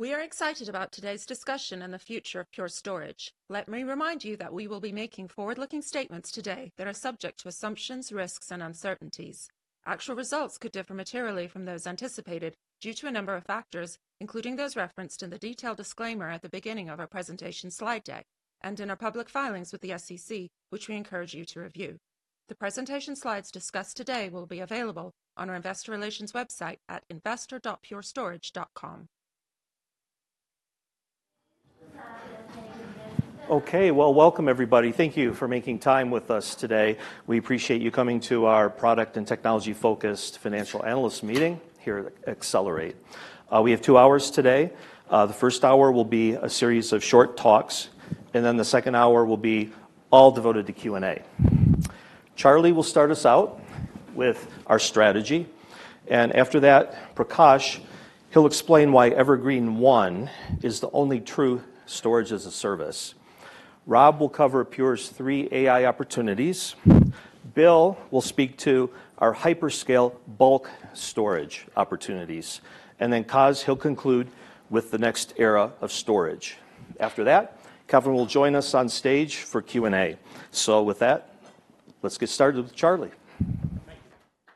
We are excited about today's discussion and the future of Pure Storage. Let me remind you that we will be making forward-looking statements today that are subject to assumptions, risks, and uncertainties. Actual results could differ materially from those anticipated due to a number of factors, including those referenced in the detailed disclaimer at the beginning of our presentation slide deck, and in our public filings with the SEC, which we encourage you to review. The presentation slides discussed today will be available on our investor relations website at investor.purestorage.com. Okay, well, welcome, everybody. Thank you for making time with us today. We appreciate you coming to our product and technology-focused financial analyst meeting here at Accelerate. We have two hours today. The first hour will be a series of short talks, and then the second hour will be all devoted to Q&A. Charlie will start us out with our strategy, and after that, Prakash, he'll explain why Evergreen//One is the only true storage as a service. Rob will cover Pure's three AI opportunities. Bill will speak to our hyperscale bulk storage opportunities, and then Coz, he'll conclude with the next era of storage. After that, Kevan will join us on stage for Q&A. So with that, let's get started with Charlie. Thank you.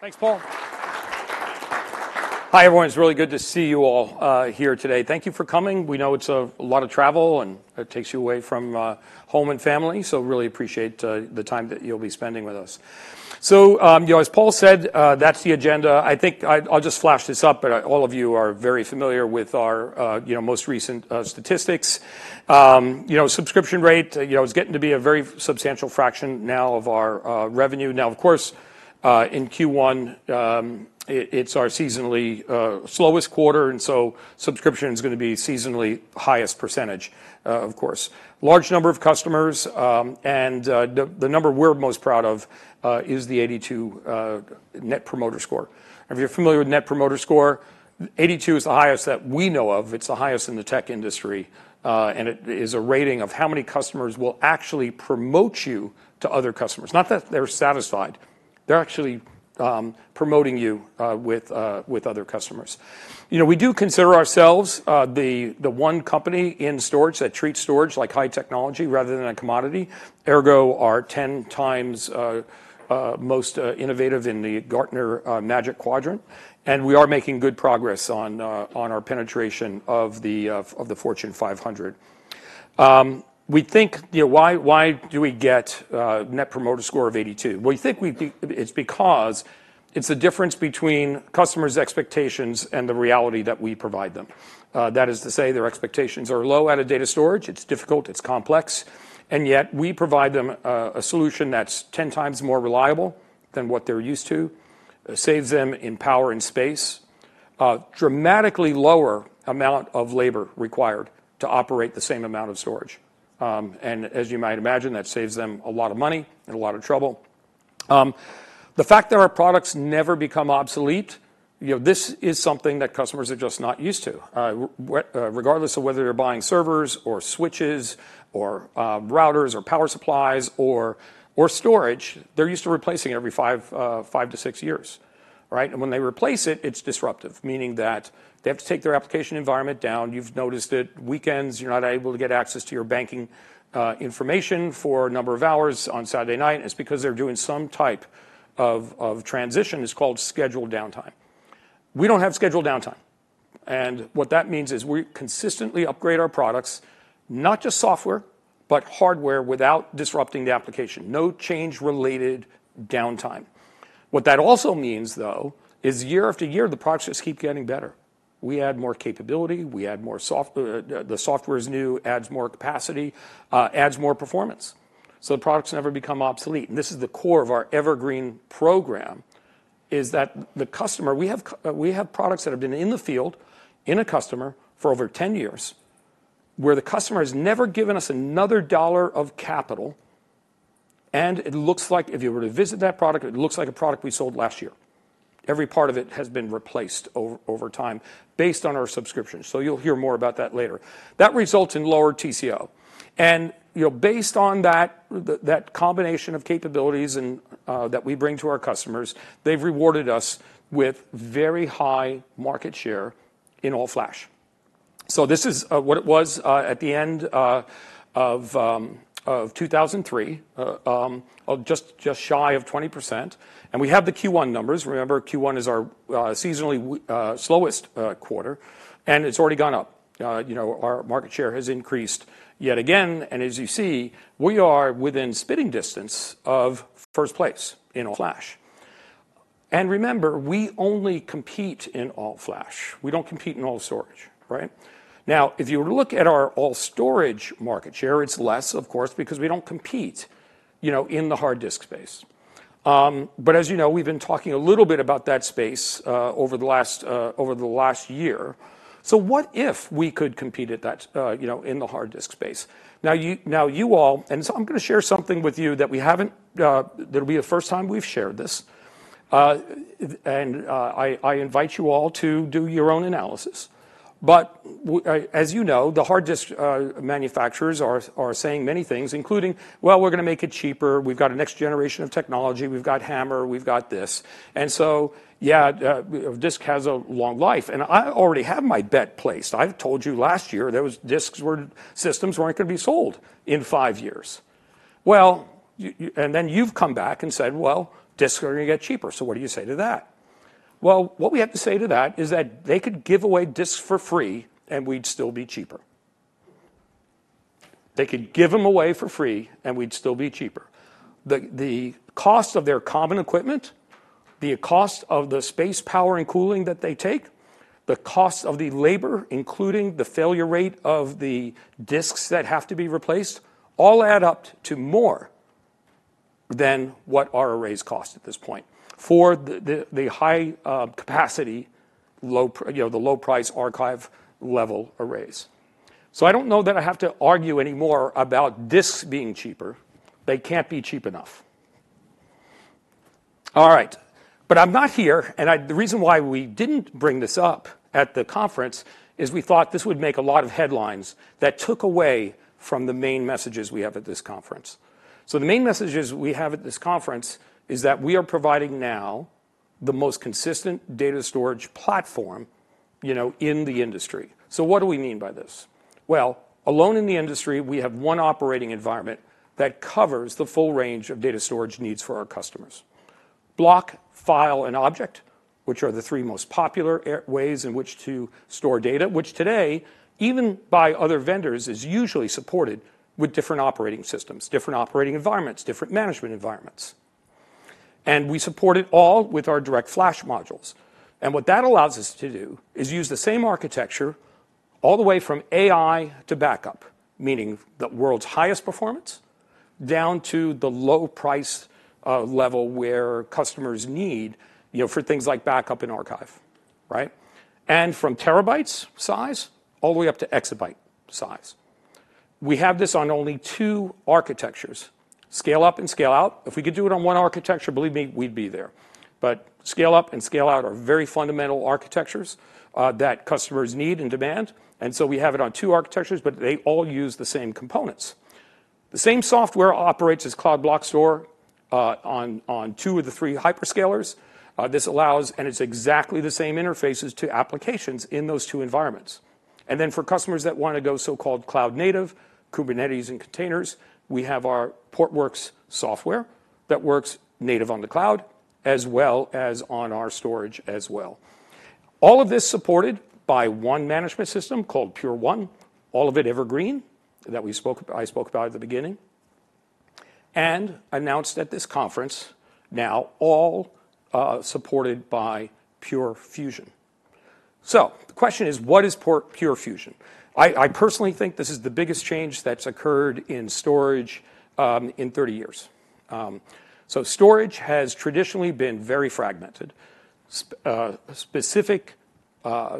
Thanks, Paul. Hi, everyone, it's really good to see you all here today. Thank you for coming. We know it's a lot of travel, and it takes you away from home and family, so really appreciate the time that you'll be spending with us. So, you know, as Paul said, that's the agenda. I think I'll just flash this up, but all of you are very familiar with our you know, most recent statistics. You know, subscription rate you know is getting to be a very substantial fraction now of our revenue. Now, of course, in Q1, it's our seasonally slowest quarter, and so subscription is going to be seasonally highest percentage, of course. Large number of customers, and the number we're most proud of is the 82 Net Promoter Score. If you're familiar with Net Promoter Score, 82 is the highest that we know of. It's the highest in the tech industry, and it is a rating of how many customers will actually promote you to other customers. Not that they're satisfied, they're actually promoting you with other customers. You know, we do consider ourselves the one company in storage that treats storage like high technology rather than a commodity. Ergo, are 10 times most innovative in the Gartner Magic Quadrant, and we are making good progress on our penetration of the Fortune 500. We think... You know, why do we get a Net Promoter Score of 82? We think it's because it's the difference between customers' expectations and the reality that we provide them. That is to say, their expectations are low out of data storage, it's difficult, it's complex, and yet we provide them a solution that's 10 times more reliable than what they're used to. It saves them in power and space, a dramatically lower amount of labor required to operate the same amount of storage. And as you might imagine, that saves them a lot of money and a lot of trouble. The fact that our products never become obsolete, you know, this is something that customers are just not used to. Regardless of whether you're buying servers, or switches, or routers, or power supplies, or storage, they're used to replacing every five to six years, right? When they replace it, it's disruptive, meaning that they have to take their application environment down. You've noticed it, weekends, you're not able to get access to your banking information for a number of hours on Saturday night, and it's because they're doing some type of transition. It's called scheduled downtime. We don't have scheduled downtime, and what that means is we consistently upgrade our products, not just software, but hardware, without disrupting the application. No change-related downtime. What that also means, though, is year after year, the products just keep getting better. We add more capability, we add more software, the software is new, adds more capacity, adds more performance, so the products never become obsolete. And this is the core of our Evergreen program, is that the customer... We have products that have been in the field, in a customer for over 10 years, where the customer has never given us another dollar of capital, and it looks like, if you were to visit that product, it looks like a product we sold last year. Every part of it has been replaced over time based on our subscription. So you'll hear more about that later. That results in lower TCO. And, you know, based on that, that combination of capabilities and that we bring to our customers, they've rewarded us with very high market share in all-flash. So this is what it was at the end of 2023 of just shy of 20%, and we have the Q1 numbers. Remember, Q1 is our seasonally slowest quarter, and it's already gone up. You know, our market share has increased yet again, and as you see, we are within spitting distance of first place in all-flash. And remember, we only compete in all-flash. We don't compete in all storage, right? Now, if you were to look at our all-storage market share, it's less, of course, because we don't compete, you know, in the hard disk space. But as you know, we've been talking a little bit about that space over the last year. So what if we could compete at that, you know, in the hard disk space? Now, you all-- And so I'm going to share something with you that we haven't, it'll be the first time we've shared this. I invite you all to do your own analysis. But as you know, the hard disk manufacturers are saying many things, including: "Well, we're gonna make it cheaper. We've got a next generation of technology. We've got HAMR, we've got this." And so, disk has a long life, and I already have my bet placed. I told you last year, systems weren't gonna be sold in five years. Well, and then you've come back and said, "Well, disks are gonna get cheaper." So what do you say to that? Well, what we have to say to that is that they could give away disks for free, and we'd still be cheaper. They could give them away for free, and we'd still be cheaper. The cost of their common equipment, the cost of the space, power, and cooling that they take, the cost of the labor, including the failure rate of the disks that have to be replaced, all add up to more than what our arrays cost at this point, for the high capacity, low—you know, the low-price archive-level arrays. So I don't know that I have to argue anymore about this being cheaper. They can't be cheap enough. All right. But I'm not here, the reason why we didn't bring this up at the conference is we thought this would make a lot of headlines that took away from the main messages we have at this conference. So the main messages we have at this conference is that we are providing now the most consistent data storage platform, you know, in the industry. So what do we mean by this? Well, alone in the industry, we have one operating environment that covers the full range of data storage needs for our customers. Block, file, and object, which are the three most popular ways in which to store data, which today, even by other vendors, is usually supported with different operating systems, different operating environments, different management environments. And we support it all with our DirectFlash modules. And what that allows us to do is use the same architecture all the way from AI to backup, meaning the world's highest performance down to the low price level where customers need, you know, for things like backup and archive, right? And from terabyte size all the way up to exabyte size. We have this on only two architectures: scale-up and scale-out. If we could do it on one architecture, believe me, we'd be there. But scale-up and scale-out are very fundamental architectures that customers need and demand, and so we have it on two architectures, but they all use the same components. The same software operates as Cloud Block Store on two of the three hyperscalers. This allows- and it's exactly the same interfaces to applications in those two environments. And then for customers that wanna go so-called cloud native, Kubernetes and containers, we have our Portworx software that works native on the cloud, as well as on our storage as well. All of this supported by one management system called Pure1, all of it evergreen, that we spoke about- I spoke about at the beginning, and announced at this conference, now all supported by Pure Fusion. So the question is: What is Pure Fusion? I personally think this is the biggest change that's occurred in storage in 30 years. So storage has traditionally been very fragmented, specific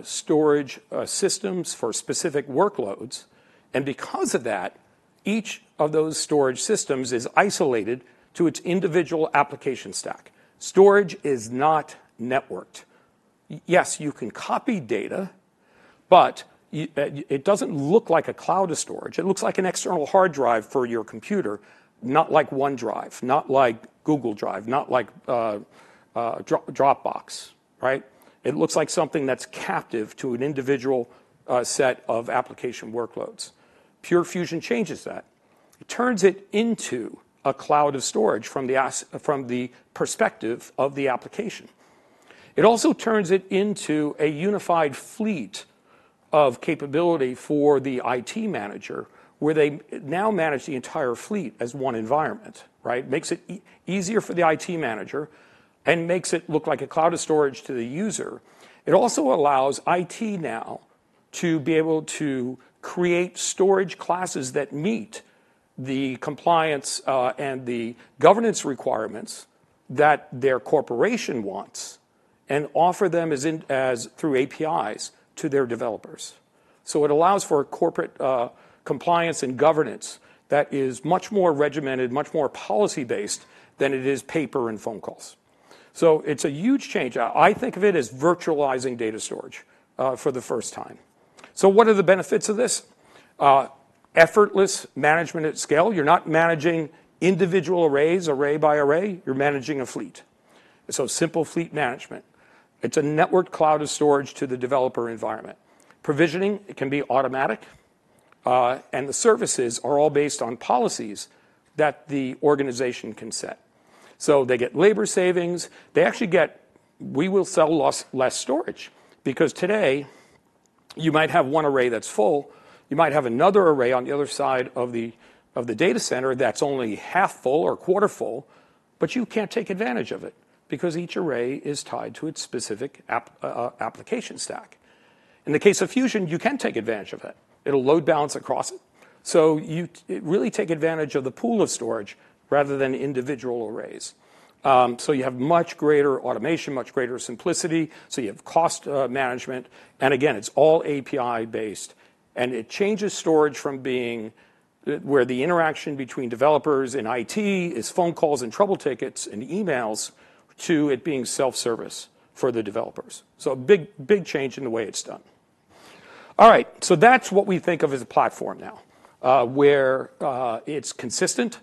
storage systems for specific workloads, and because of that, each of those storage systems is isolated to its individual application stack. Storage is not networked. Yes, you can copy data, but it doesn't look like a cloud of storage. It looks like an external hard drive for your computer, not like OneDrive, not like Google Drive, not like Dropbox, right? It looks like something that's captive to an individual set of application workloads. Pure Fusion changes that. It turns it into a cloud of storage from the perspective of the application. It also turns it into a unified fleet of capability for the IT manager, where they now manage the entire fleet as one environment, right? Makes it easier for the IT manager and makes it look like a cloud of storage to the user. It also allows IT now to be able to create storage classes that meet the compliance and the governance requirements that their corporation wants and offer them as through APIs to their developers. So it allows for corporate compliance and governance that is much more regimented, much more policy-based, than it is paper and phone calls. So it's a huge change. I think of it as virtualizing data storage for the first time. So what are the benefits of this? Effortless management at scale. You're not managing individual arrays, array by array, you're managing a fleet. So simple fleet management. It's a networked cloud of storage to the developer environment. Provisioning, it can be automatic. And the services are all based on policies that the organization can set. So they get labor savings. They actually get... We will sell less storage, because today, you might have one array that's full, you might have another array on the other side of the data center that's only half full or quarter full, but you can't take advantage of it because each array is tied to its specific application stack. In the case of Fusion, you can take advantage of it. It'll load balance across it, so you really take advantage of the pool of storage rather than individual arrays. So you have much greater automation, much greater simplicity, so you have cost management, and again, it's all API-based, and it changes storage from being where the interaction between developers and IT is phone calls, and trouble tickets, and emails, to it being self-service for the developers. So a big, big change in the way it's done. All right, so that's what we think of as a platform now, where it's consistent,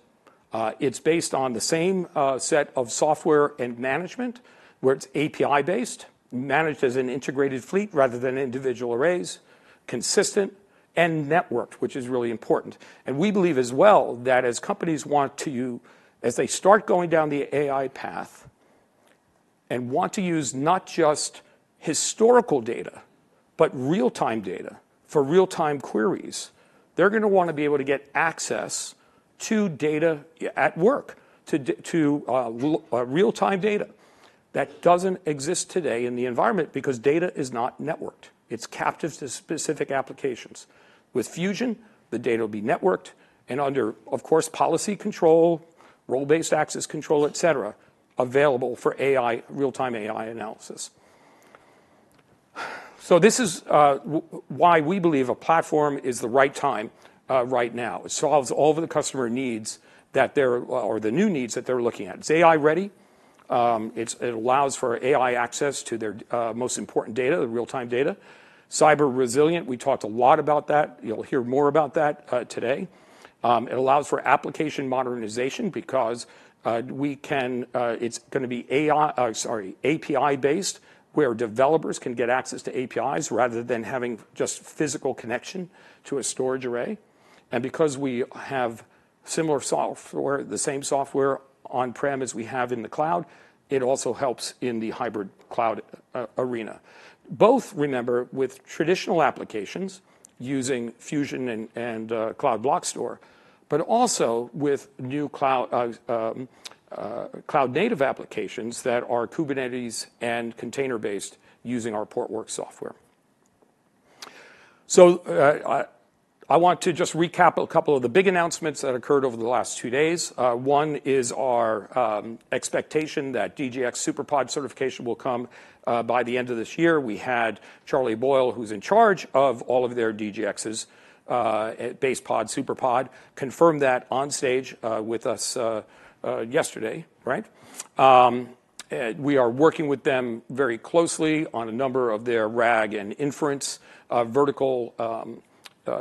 it's based on the same set of software and management, where it's API-based, managed as an integrated fleet rather than individual arrays, consistent, and networked, which is really important. And we believe as well that as companies want to as they start going down the AI path, and want to use not just historical data, but real-time data for real-time queries, they're gonna want to be able to get access to data at work, to real-time data. That doesn't exist today in the environment because data is not networked. It's captive to specific applications. With Fusion, the data will be networked and under, of course, policy control, role-based access control, et cetera, available for real-time AI analysis. So this is why we believe a platform is the right time right now. It solves all of the customer needs that they're or the new needs that they're looking at. It's AI ready. It allows for AI access to their most important data, the real-time data. Cyber resilient, we talked a lot about that. You'll hear more about that today. It allows for application modernization because we can... it's gonna be API based, where developers can get access to APIs rather than having just physical connection to a storage array. And because we have the same software on-prem as we have in the cloud, it also helps in the hybrid cloud arena. Both, remember, with traditional applications using Fusion and Cloud Block Store, but also with new cloud-native applications that are Kubernetes and container-based using our Portworx software. So, I want to just recap a couple of the big announcements that occurred over the last two days. One is our expectation that DGX SuperPOD certification will come by the end of this year. We had Charlie Boyle, who's in charge of all of their DGXs, at BasePOD, SuperPOD, confirm that on stage, with us, yesterday, right? We are working with them very closely on a number of their RAG and inference, vertical,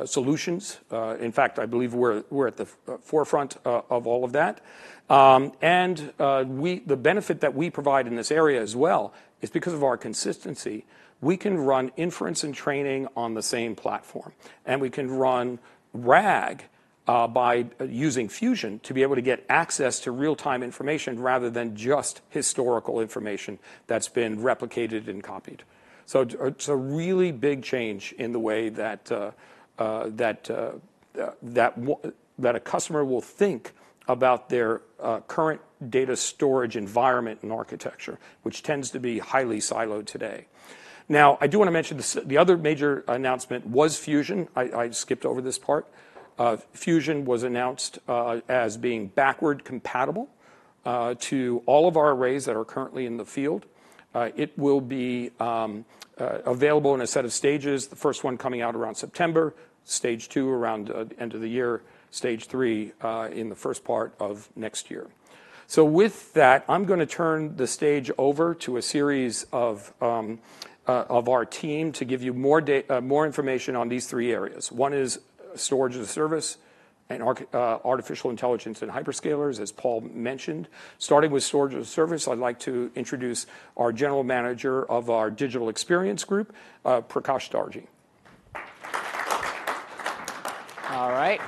solutions. In fact, I believe we're, we're at the forefront of all of that. The benefit that we provide in this area as well is because of our consistency, we can run inference and training on the same platform, and we can run RAG by using Fusion to be able to get access to real-time information rather than just historical information that's been replicated and copied. So it's a really big change in the way that a customer will think about their current data storage environment and architecture, which tends to be highly siloed today. Now, I do wanna mention this, the other major announcement was Fusion. I skipped over this part. Fusion was announced as being backward compatible to all of our arrays that are currently in the field. It will be available in a set of stages, the first one coming out around September, stage two around the end of the year, stage three in the first part of next year. So with that, I'm gonna turn the stage over to a series of our team to give you more information on these three areas. One is storage as a service and AI, artificial intelligence and hyperscalers, as Paul mentioned. Starting with storage as a service, I'd like to introduce our general manager of our digital experience group, Prakash Darji. All right.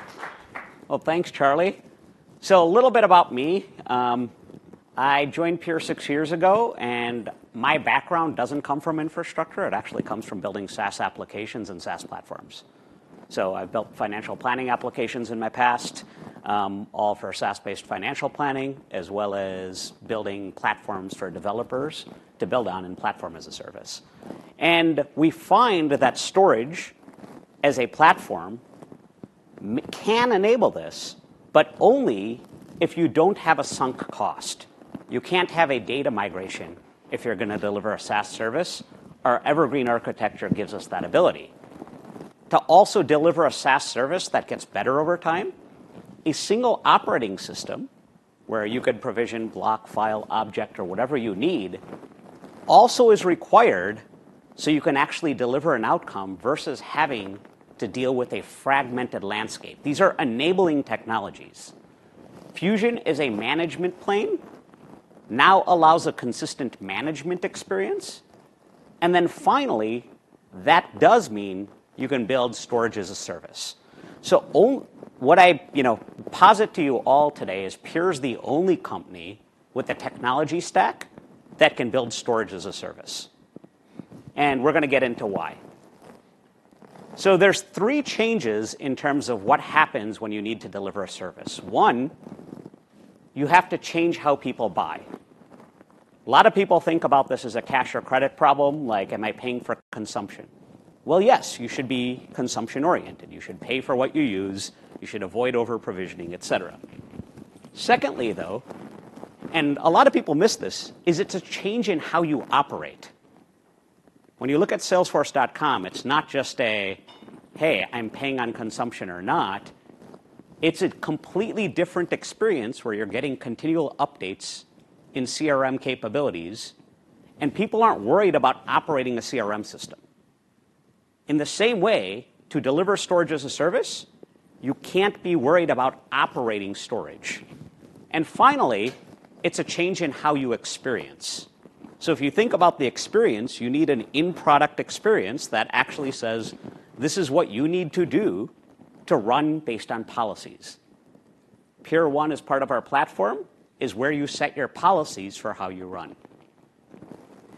Well, thanks, Charlie. So a little bit about me. I joined Pure six years ago, and my background doesn't come from infrastructure, it actually comes from building SaaS applications and SaaS platforms. So I've built financial planning applications in my past, all for SaaS-based financial planning, as well as building platforms for developers to build on and platform as a service. And we find that storage as a platform can enable this, but only if you don't have a sunk cost. You can't have a data migration if you're gonna deliver a SaaS service. Our Evergreen architecture gives us that ability to also deliver a SaaS service that gets better over time, a single operating system, where you could provision, block, file, object, or whatever you need, also is required, so you can actually deliver an outcome versus having to deal with a fragmented landscape. These are enabling technologies. Fusion is a management plane, now allows a consistent management experience, and then finally, that does mean you can build storage as a service. So what I, you know, posit to you all today is Pure is the only company with a technology stack that can build storage as a service, and we're gonna get into why. So there's three changes in terms of what happens when you need to deliver a service. One, you have to change how people buy. A lot of people think about this as a cash or credit problem, like, "Am I paying for consumption?" Well, yes, you should be consumption-oriented. You should pay for what you use, you should avoid over-provisioning, et cetera. Secondly, though, and a lot of people miss this, is it's a change in how you operate.... When you look at Salesforce.com, it's not just a, "Hey, I'm paying on consumption or not." It's a completely different experience where you're getting continual updates in CRM capabilities, and people aren't worried about operating a CRM system. In the same way, to deliver storage as a service, you can't be worried about operating storage. And finally, it's a change in how you experience. So if you think about the experience, you need an in-product experience that actually says, "This is what you need to do to run based on policies." Pure1 is part of our platform, is where you set your policies for how you run.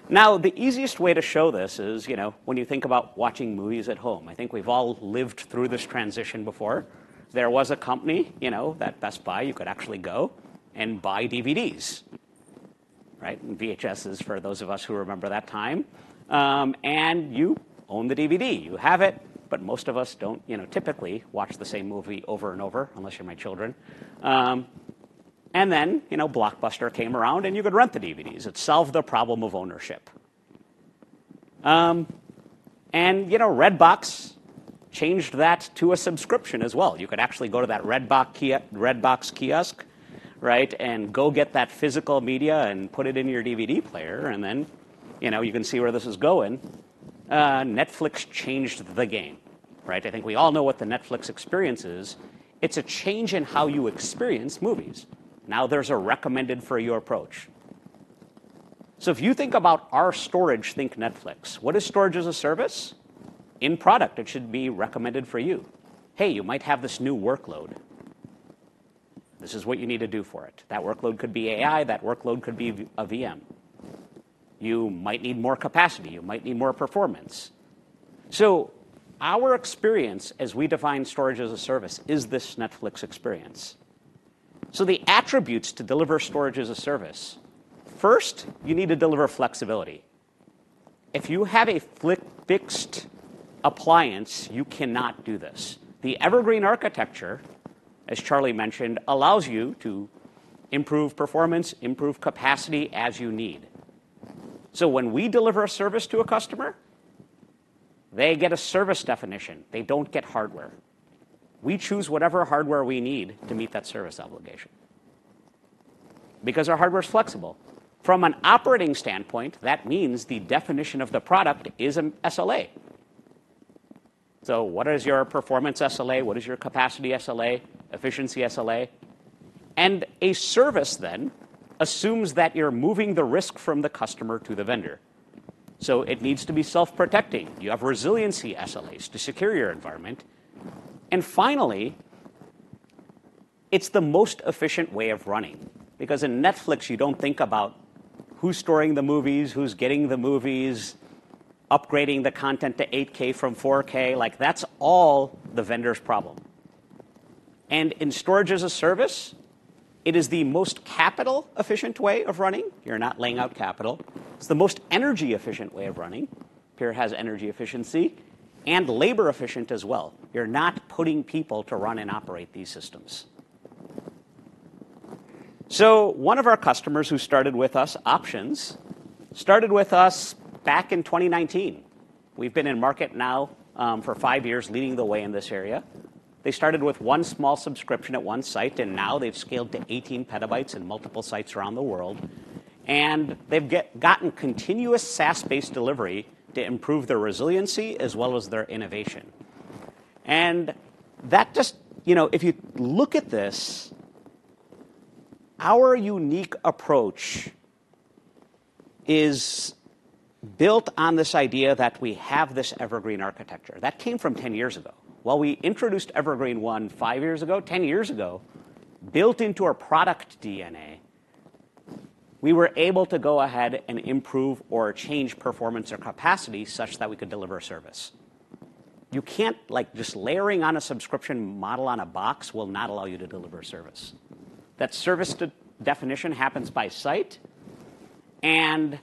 Now, the easiest way to show this is, you know, when you think about watching movies at home, I think we've all lived through this transition before. There was a company, you know, that, Best Buy, you could actually go and buy DVDs, right? And VHSes, for those of us who remember that time. And you own the DVD. You have it, but most of us don't, you know, typically watch the same movie over and over, unless you're my children. And then, you know, Blockbuster came around, and you could rent the DVDs. It solved the problem of ownership. And, you know, Redbox changed that to a subscription as well. You could actually go to that Redbox kiosk, right, and go get that physical media and put it in your DVD player, and then, you know, you can see where this is going. Netflix changed the game, right? I think we all know what the Netflix experience is. It's a change in how you experience movies. Now, there's a recommended-for-you approach. So if you think about our storage, think Netflix. What is storage as a service? In product, it should be recommended for you. "Hey, you might have this new workload. This is what you need to do for it." That workload could be AI, that workload could be a VM. You might need more capacity, you might need more performance. So our experience as we define storage as a service is this Netflix experience. So the attributes to deliver storage as a service, first, you need to deliver flexibility. If you have a fixed appliance, you cannot do this. The Evergreen architecture, as Charlie mentioned, allows you to improve performance, improve capacity as you need. So when we deliver a service to a customer, they get a service definition, they don't get hardware. We choose whatever hardware we need to meet that service obligation because our hardware is flexible. From an operating standpoint, that means the definition of the product is an SLA. So what is your performance SLA? What is your capacity SLA, efficiency SLA? And a service then assumes that you're moving the risk from the customer to the vendor, so it needs to be self-protecting. You have resiliency SLAs to secure your environment. And finally, it's the most efficient way of running, because in Netflix, you don't think about who's storing the movies, who's getting the movies, upgrading the content to 8K from 4K. Like, that's all the vendor's problem. And in storage as a service, it is the most capital-efficient way of running. You're not laying out capital. It's the most energy-efficient way of running. Pure has energy efficiency and labor efficiency as well. You're not putting people to run and operate these systems. So one of our customers who started with us, Options, started with us back in 2019. We've been in market now for five years, leading the way in this area. They started with one small subscription at one site, and now they've scaled to 18 PB in multiple sites around the world. And they've gotten continuous SaaS-based delivery to improve their resiliency as well as their innovation. And that just... You know, if you look at this, our unique approach is built on this idea that we have this Evergreen architecture. That came from 10 years ago. While we introduced Evergreen//One five years ago, 10 years ago, built into our product DNA, we were able to go ahead and improve or change performance or capacity such that we could deliver a service. You can't. Like, just layering on a subscription model on a box will not allow you to deliver a service. That service definition happens by site, and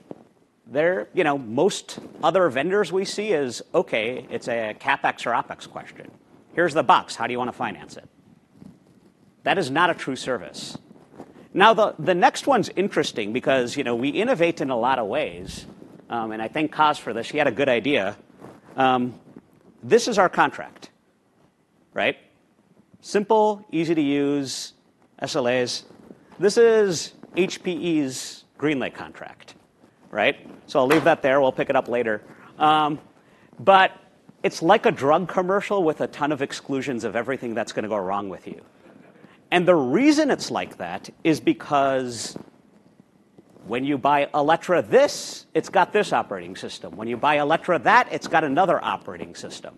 there, you know, most other vendors we see is, "Okay, it's a CapEx or OpEx question. Here's the box. How do you want to finance it?" That is not a true service. Now, the next one's interesting because, you know, we innovate in a lot of ways, and I thank Coz for this. He had a good idea. This is our contract, right? Simple, easy-to-use SLAs. This is HPE's GreenLake contract, right? So I'll leave that there. We'll pick it up later. But it's like a drug commercial with a ton of exclusions of everything that's gonna go wrong with you. And the reason it's like that is because when you buy Alletra this, it's got this operating system. When you buy Alletra that, it's got another operating system.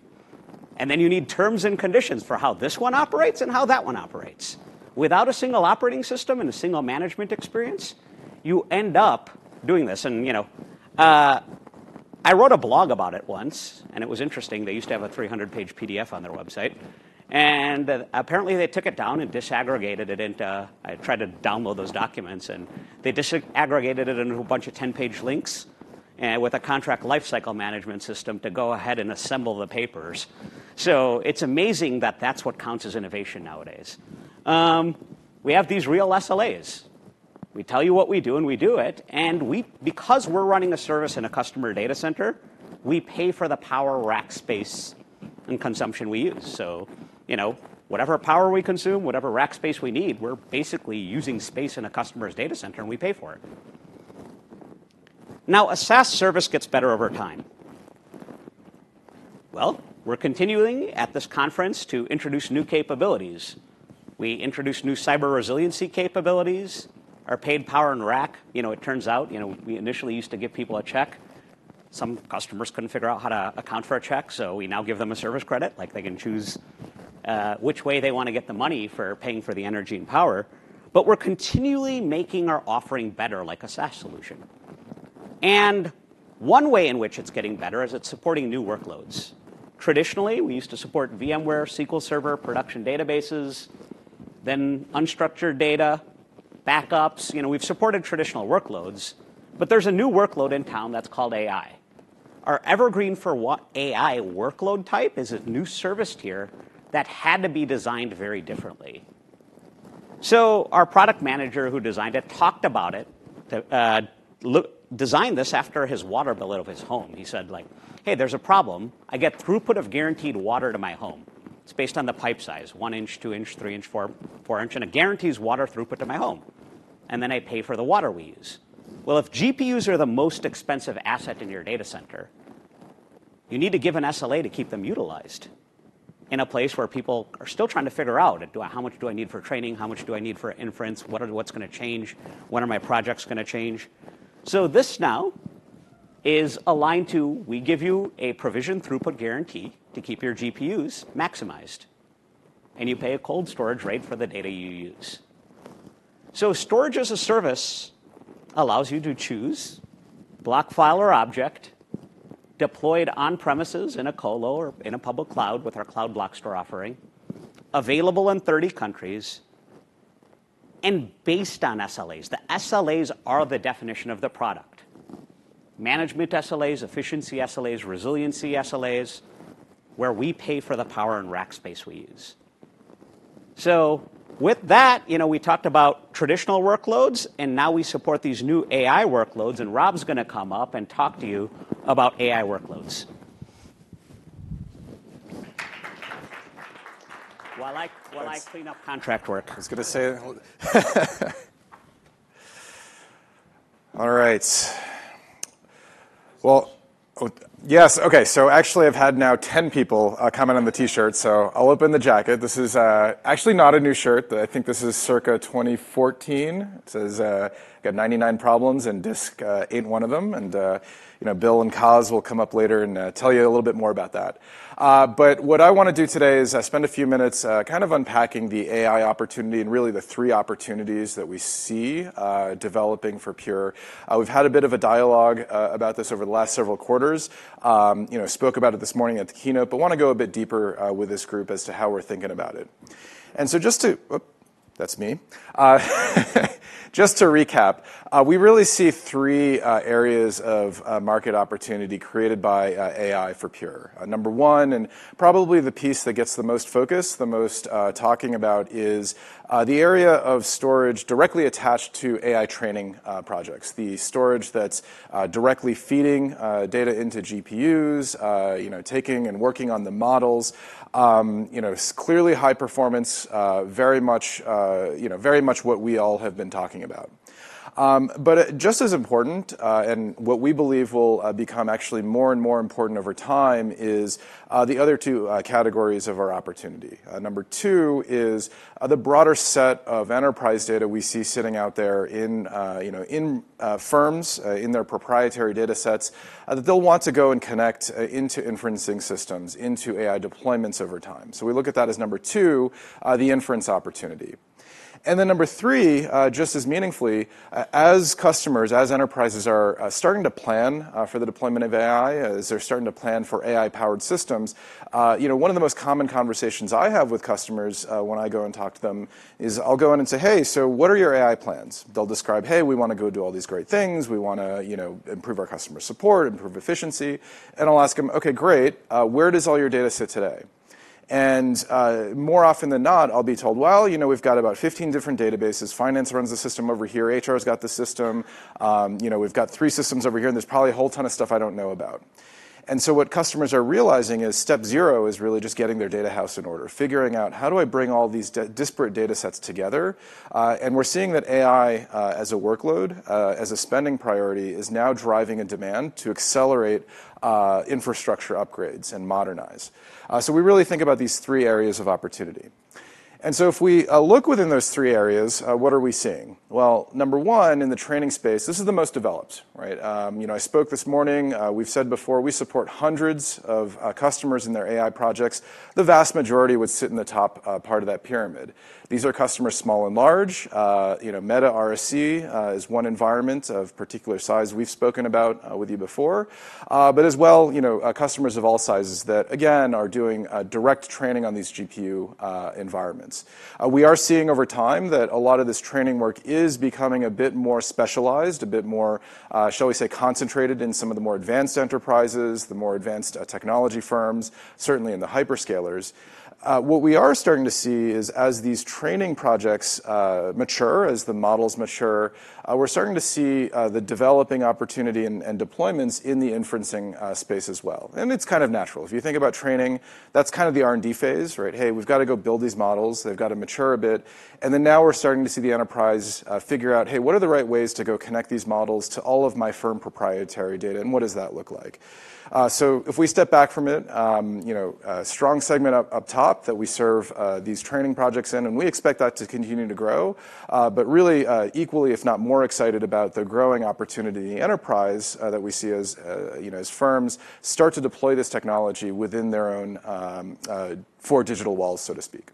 And then you need terms and conditions for how this one operates and how that one operates. Without a single operating system and a single management experience, you end up doing this. And, you know, I wrote a blog about it once, and it was interesting. They used to have a 300-page PDF on their website, and apparently, they took it down and disaggregated it into... I tried to download those documents, and they disaggregated it into a bunch of 10-page links, with a contract lifecycle management system to go ahead and assemble the papers. So it's amazing that that's what counts as innovation nowadays. We have these real SLAs. We tell you what we do, and we do it, and we, because we're running a service in a customer data center, pay for the power, rack space, and consumption we use. So, you know, whatever power we consume, whatever rack space we need, we're basically using space in a customer's data center, and we pay for it. Now, a SaaS service gets better over time. Well, we're continuing at this conference to introduce new capabilities. We introduced new cyber resiliency capabilities, our paid power and rack. You know, it turns out, you know, we initially used to give people a check. Some customers couldn't figure out how to account for a check, so we now give them a service credit. Like, they can choose which way they want to get the money for paying for the energy and power. But we're continually making our offering better, like a SaaS solution, and one way in which it's getting better is it's supporting new workloads. Traditionally, we used to support VMware, SQL Server, production databases, then unstructured data, backups. You know, we've supported traditional workloads, but there's a new workload in town that's called AI. Our Evergreen//One for AI workload type is a new service tier that had to be designed very differently. So our product manager who designed it talked about it, designed this after his water bill of his home. He said, like, "Hey, there's a problem. I get throughput of guaranteed water to my home. It's based on the pipe size, one-inch, two-inch, three-inch, four-inch, and it guarantees water throughput to my home, and then I pay for the water we use." Well, if GPUs are the most expensive asset in your data center, you need to give an SLA to keep them utilized in a place where people are still trying to figure out, do I - how much do I need for training? How much do I need for inference? What's gonna change? When are my projects gonna change? So this now is aligned to, we give you a provision throughput guarantee to keep your GPUs maximized, and you pay a cold storage rate for the data you use. So storage as a service allows you to choose block file or object, deployed on premises in a colo or in a public cloud with our Cloud Block Store offering, available in 30 countries and based on SLAs. The SLAs are the definition of the product. Management SLAs, efficiency SLAs, resiliency SLAs, where we pay for the power and rack space we use. So with that, you know, we talked about traditional workloads, and now we support these new AI workloads, and Rob's gonna come up and talk to you about AI workloads. While I clean up contract work. I was gonna say, All right. Well. Yes, okay. So actually, I've had now 10 people comment on the T-shirt, so I'll open the jacket. This is actually not a new shirt. I think this is circa 2014. It says, "Got 99 problems, and disk ain't one of them," and you know, Bill and Coz will come up later and tell you a little bit more about that. But what I wanna do today is spend a few minutes kind of unpacking the AI opportunity and really the three opportunities that we see developing for Pure. We've had a bit of a dialogue about this over the last several quarters. You know, spoke about it this morning at the keynote, but want to go a bit deeper with this group as to how we're thinking about it. And so just to... Oop, that's me. Just to recap, we really see three areas of market opportunity created by AI for Pure. Number one, and probably the piece that gets the most focus, the most talking about, is the area of storage directly attached to AI training projects, the storage that's directly feeding data into GPUs, you know, taking and working on the models. You know, clearly high performance, very much, you know, very much what we all have been talking about. But just as important, and what we believe will become actually more and more important over time is the other two categories of our opportunity. Number two is the broader set of enterprise data we see sitting out there in, you know, in firms, in their proprietary datasets, that they'll want to go and connect into inferencing systems, into AI deployments over time. So we look at that as number two, the inference opportunity. And then number three, just as meaningfully, as customers, as enterprises are, starting to plan, for the deployment of AI, as they're starting to plan for AI-powered systems, you know, one of the most common conversations I have with customers, when I go and talk to them is I'll go in and say, "Hey, so what are your AI plans?" They'll describe, "Hey, we want to go do all these great things. We want to, you know, improve our customer support, improve efficiency." And I'll ask them, "Okay, great, where does all your data sit today?" And, more often than not, I'll be told, "Well, you know, we've got about 15 different databases. Finance runs the system over here. HR has got the system. You know, we've got 3 systems over here, and there's probably a whole ton of stuff I don't know about." And so what customers are realizing is step zero is really just getting their data house in order, figuring out, "How do I bring all these disparate datasets together?" And we're seeing that AI, as a workload, as a spending priority, is now driving a demand to accelerate infrastructure upgrades and modernize. So we really think about these 3 areas of opportunity.... And so if we look within those 3 areas, what are we seeing? Well, number 1, in the training space, this is the most developed, right? You know, I spoke this morning, we've said before, we support hundreds of customers in their AI projects. The vast majority would sit in the top, part of that pyramid. These are customers, small and large. You know, Meta RSC, is one environment of particular size we've spoken about, with you before. But as well, you know, customers of all sizes that, again, are doing, direct training on these GPU, environments. We are seeing over time that a lot of this training work is becoming a bit more specialized, a bit more, shall we say, concentrated in some of the more advanced enterprises, the more advanced, technology firms, certainly in the hyperscalers. What we are starting to see is as these training projects, mature, as the models mature, we're starting to see, the developing opportunity and, and deployments in the inference, space as well, and it's kind of natural. If you think about training, that's kind of the R&D phase, right? "Hey, we've got to go build these models. They've got to mature a bit." And then now we're starting to see the enterprise figure out, "Hey, what are the right ways to go connect these models to all of my firm proprietary data, and what does that look like?" So if we step back from it, you know, a strong segment up top that we serve these training projects in, and we expect that to continue to grow. But really, equally, if not more excited about the growing opportunity in the enterprise that we see as, you know, as firms start to deploy this technology within their own four digital walls, so to speak.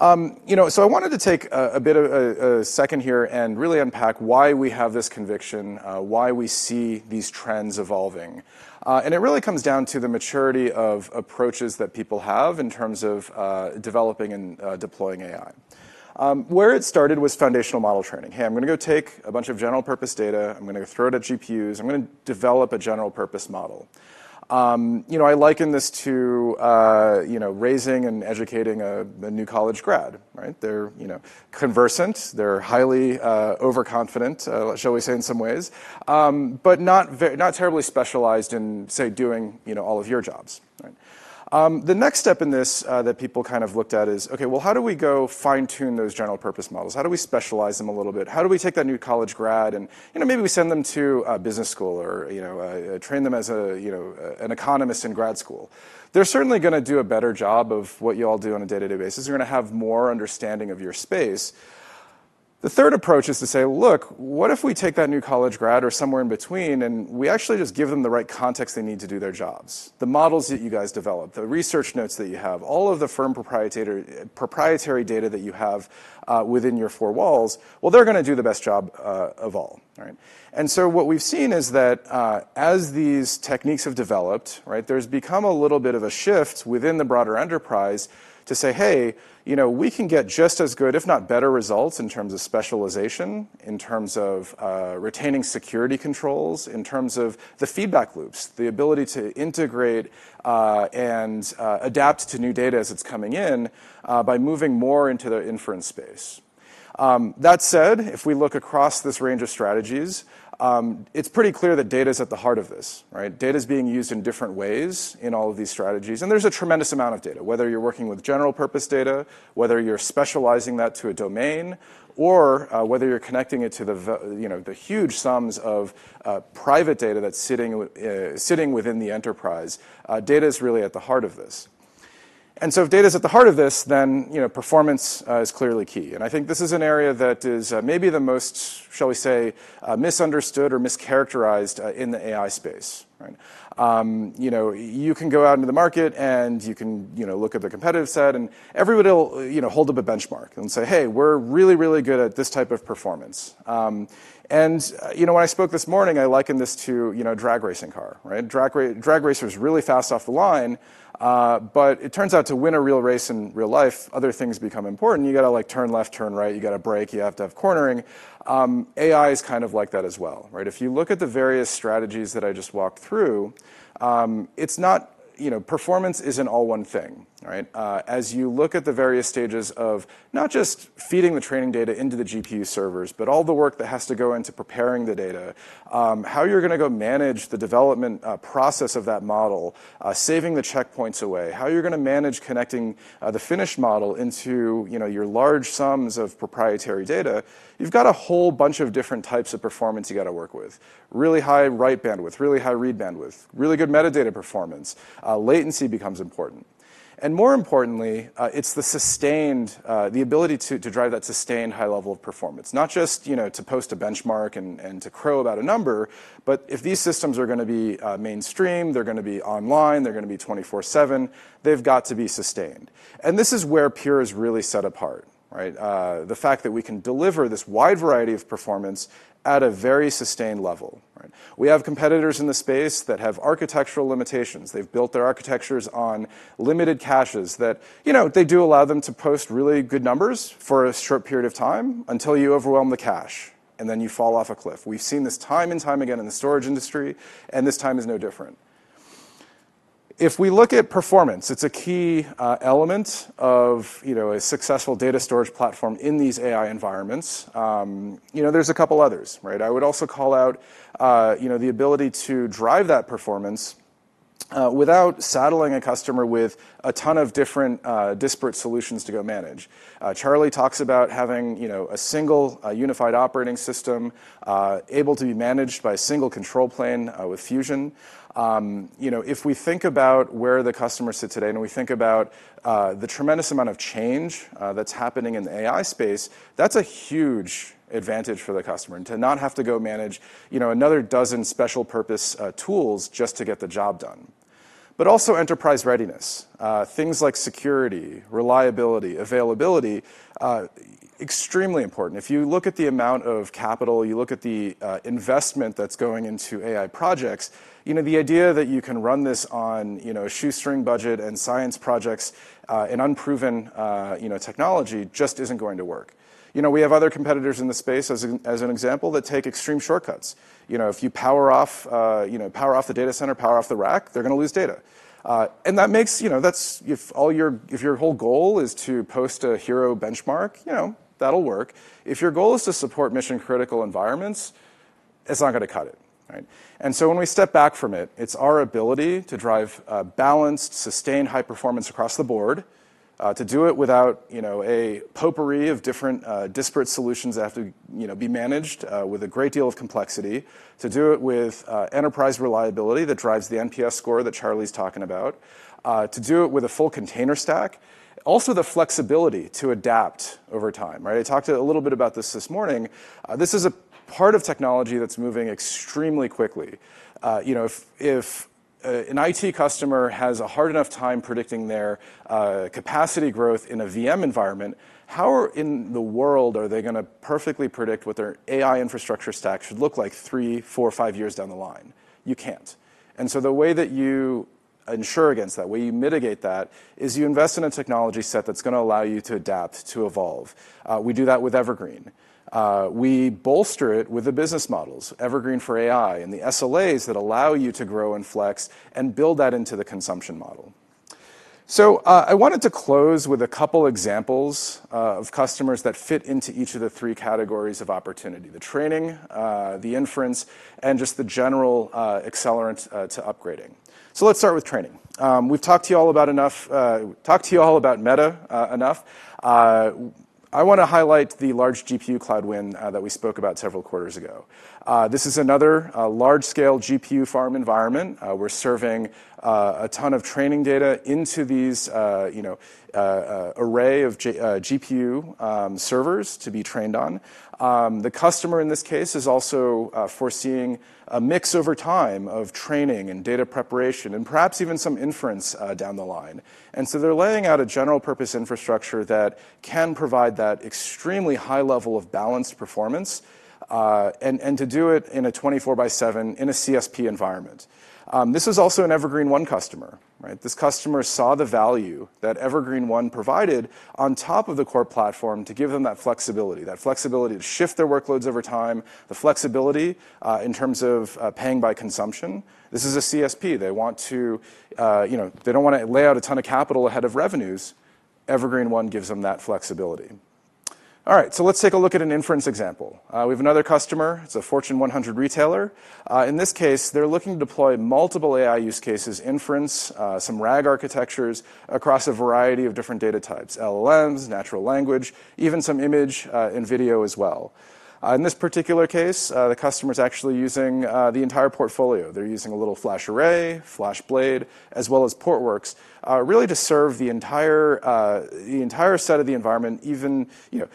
You know, so I wanted to take a bit of a second here and really unpack why we have this conviction, why we see these trends evolving. And it really comes down to the maturity of approaches that people have in terms of developing and deploying AI. Where it started was foundational model training. "Hey, I'm going to go take a bunch of general purpose data, I'm going to throw it at GPUs, I'm going to develop a general purpose model." You know, I liken this to you know, raising and educating a new college grad, right? They're, you know, conversant, they're highly overconfident, shall we say, in some ways, but not terribly specialized in, say, doing you know, all of your jobs, right? The next step in this, that people kind of looked at is, "Okay, well, how do we go fine-tune those general purpose models? How do we specialize them a little bit? How do we take that new college grad and, you know, maybe we send them to a business school or, you know, train them as a, you know, an economist in grad school." They're certainly gonna do a better job of what you all do on a day-to-day basis. They're gonna have more understanding of your space. The third approach is to say, "Look, what if we take that new college grad or somewhere in between, and we actually just give them the right context they need to do their jobs?" The models that you guys develop, the research notes that you have, all of the firm proprietary data that you have, within your four walls, well, they're gonna do the best job of all, right? And so what we've seen is that, as these techniques have developed, right, there's become a little bit of a shift within the broader enterprise to say, "Hey, you know, we can get just as good, if not better, results in terms of specialization, in terms of, retaining security controls, in terms of the feedback loops, the ability to integrate, and, adapt to new data as it's coming in, by moving more into the inference space." That said, if we look across this range of strategies, it's pretty clear that data is at the heart of this, right? Data is being used in different ways in all of these strategies, and there's a tremendous amount of data. Whether you're working with general purpose data, whether you're specializing that to a domain, or whether you're connecting it to the you know, the huge sums of private data that's sitting within the enterprise, data is really at the heart of this. And so if data is at the heart of this, then, you know, performance is clearly key, and I think this is an area that is maybe the most, shall we say, misunderstood or mischaracterized in the AI space, right? You know, you can go out into the market, and you can, you know, look at the competitive set, and everybody will, you know, hold up a benchmark and say, "Hey, we're really, really good at this type of performance." And, you know, when I spoke this morning, I likened this to, you know, a drag racing car, right? Drag racer is really fast off the line, but it turns out, to win a real race in real life, other things become important. You gotta, like, turn left, turn right, you gotta brake, you have to have cornering. AI is kind of like that as well, right? If you look at the various strategies that I just walked through, it's not... You know, performance isn't all one thing, right? As you look at the various stages of not just feeding the training data into the GPU servers, but all the work that has to go into preparing the data, how you're gonna go manage the development process of that model, saving the checkpoints away, how you're gonna manage connecting the finished model into, you know, your large sums of proprietary data, you've got a whole bunch of different types of performance you've got to work with. Really high write bandwidth, really high read bandwidth, really good metadata performance, latency becomes important. And more importantly, it's the sustained the ability to drive that sustained high level of performance. Not just, you know, to post a benchmark and to crow about a number, but if these systems are gonna be mainstream, they're gonna be online, they're gonna be 24/7, they've got to be sustained. And this is where Pure is really set apart, right? The fact that we can deliver this wide variety of performance at a very sustained level, right? We have competitors in the space that have architectural limitations. They've built their architectures on limited caches that, you know, they do allow them to post really good numbers for a short period of time, until you overwhelm the cache, and then you fall off a cliff. We've seen this time and time again in the storage industry, and this time is no different. If we look at performance, it's a key element of, you know, a successful data storage platform in these AI environments. You know, there's a couple others, right? I would also call out, you know, the ability to drive that performance without saddling a customer with a ton of different disparate solutions to go manage. Charlie talks about having, you know, a single unified operating system able to be managed by a single control plane with Fusion. You know, if we think about where the customers sit today, and we think about the tremendous amount of change that's happening in the AI space, that's a huge advantage for the customer, and to not have to go manage, you know, another dozen special purpose tools just to get the job done. But also enterprise readiness. Things like security, reliability, availability, extremely important. If you look at the amount of capital, you look at the investment that's going into AI projects, you know, the idea that you can run this on, you know, a shoestring budget and science projects, an unproven, you know, technology, just isn't going to work. You know, we have other competitors in the space as an example, that take extreme shortcuts. You know, if you power off, you know, power off the data center, power off the rack, they're gonna lose data. And that makes, you know, that's. If your whole goal is to post a hero benchmark, you know, that'll work. If your goal is to support mission-critical environments, it's not gonna cut it, right? When we step back from it, it's our ability to drive balanced, sustained, high performance across the board. To do it without, you know, a potpourri of different disparate solutions that have to, you know, be managed with a great deal of complexity. To do it with enterprise reliability that drives the NPS score that Charlie's talking about. To do it with a full container stack. Also, the flexibility to adapt over time, right? I talked a little bit about this this morning. This is a part of technology that's moving extremely quickly. You know, if an IT customer has a hard enough time predicting their capacity growth in a VM environment, how in the world are they gonna perfectly predict what their AI infrastructure stack should look like three, four, five years down the line? You can't. And so the way that you ensure against that, the way you mitigate that, is you invest in a technology set that's gonna allow you to adapt, to evolve. We do that with Evergreen. We bolster it with the business models, Evergreen for AI, and the SLAs that allow you to grow and flex and build that into the consumption model. So, I wanted to close with a couple examples of customers that fit into each of the three categories of opportunity: the training, the inference, and just the general accelerant to upgrading. So let's start with training. We've talked to you all about Meta enough. I want to highlight the large GPU cloud win that we spoke about several quarters ago. This is another large-scale GPU farm environment. We're serving a ton of training data into these, you know, array of GPU servers to be trained on. The customer, in this case, is also foreseeing a mix over time of training and data preparation, and perhaps even some inference down the line. And so they're laying out a general purpose infrastructure that can provide that extremely high level of balanced performance, and to do it in a 24/7, in a CSP environment. This is also an Evergreen//One customer, right? This customer saw the value that Evergreen//One provided on top of the core platform to give them that flexibility, that flexibility to shift their workloads over time, the flexibility in terms of paying by consumption. This is a CSP. They want to, you know, they don't want to lay out a ton of capital ahead of revenues. Evergreen//One gives them that flexibility. All right, so let's take a look at an inference example. We have another customer. It's a Fortune 100 retailer. In this case, they're looking to deploy multiple AI use cases, inference, some RAG architectures, across a variety of different data types: LLMs, natural language, even some image, and video as well. In this particular case, the customer is actually using the entire portfolio. They're using a little FlashArray, FlashBlade, as well as Portworx, really to serve the entire, the entire set of the environment, even... You know,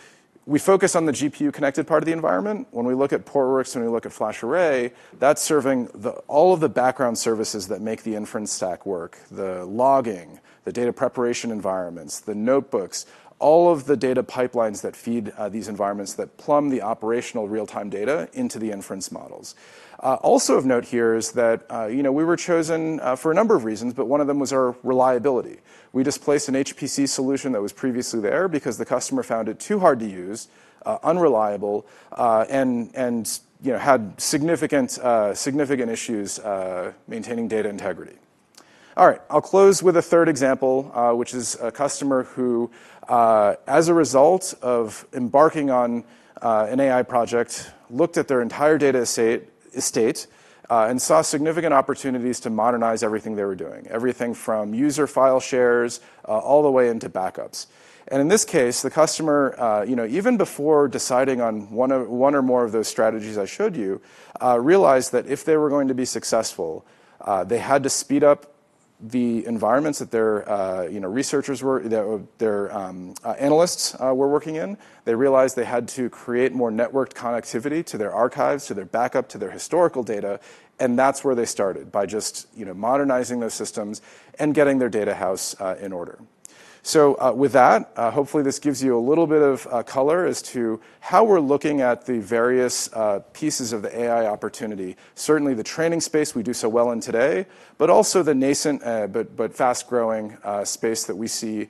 we focus on the GPU-connected part of the environment. When we look at Portworx, when we look at FlashArray, that's serving the, all of the background services that make the inference stack work: the logging, the data preparation environments, the notebooks, all of the data pipelines that feed, these environments, that plumb the operational real-time data into the inference models. Also of note here is that, you know, we were chosen, for a number of reasons, but one of them was our reliability. We displaced an HPC solution that was previously there because the customer found it too hard to use, unreliable, and, you know, had significant issues, maintaining data integrity. All right, I'll close with a third example, which is a customer who, as a result of embarking on an AI project, looked at their entire data estate and saw significant opportunities to modernize everything they were doing. Everything from user file shares all the way into backups. And in this case, the customer, you know, even before deciding on one or more of those strategies I showed you, realized that if they were going to be successful, they had to speed up the environments that their, you know, researchers and analysts were working in. They realized they had to create more networked connectivity to their archives, to their backup, to their historical data, and that's where they started, by just, you know, modernizing those systems and getting their data house in order. So, with that, hopefully, this gives you a little bit of color as to how we're looking at the various pieces of the AI opportunity. Certainly, the training space we do so well in today, but also the nascent, but fast-growing, space that we see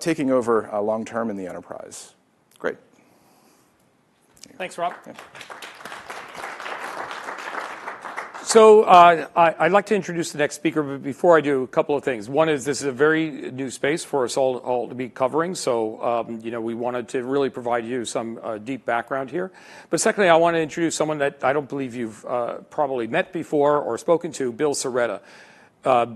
taking over long term in the enterprise. Great. Thanks, Rob. Yeah. So, I'd like to introduce the next speaker, but before I do, a couple of things. One is, this is a very new space for us all to be covering, so, you know, we wanted to really provide you some deep background here. But secondly, I want to introduce someone that I don't believe you've probably met before or spoken to, Bill Cerreta.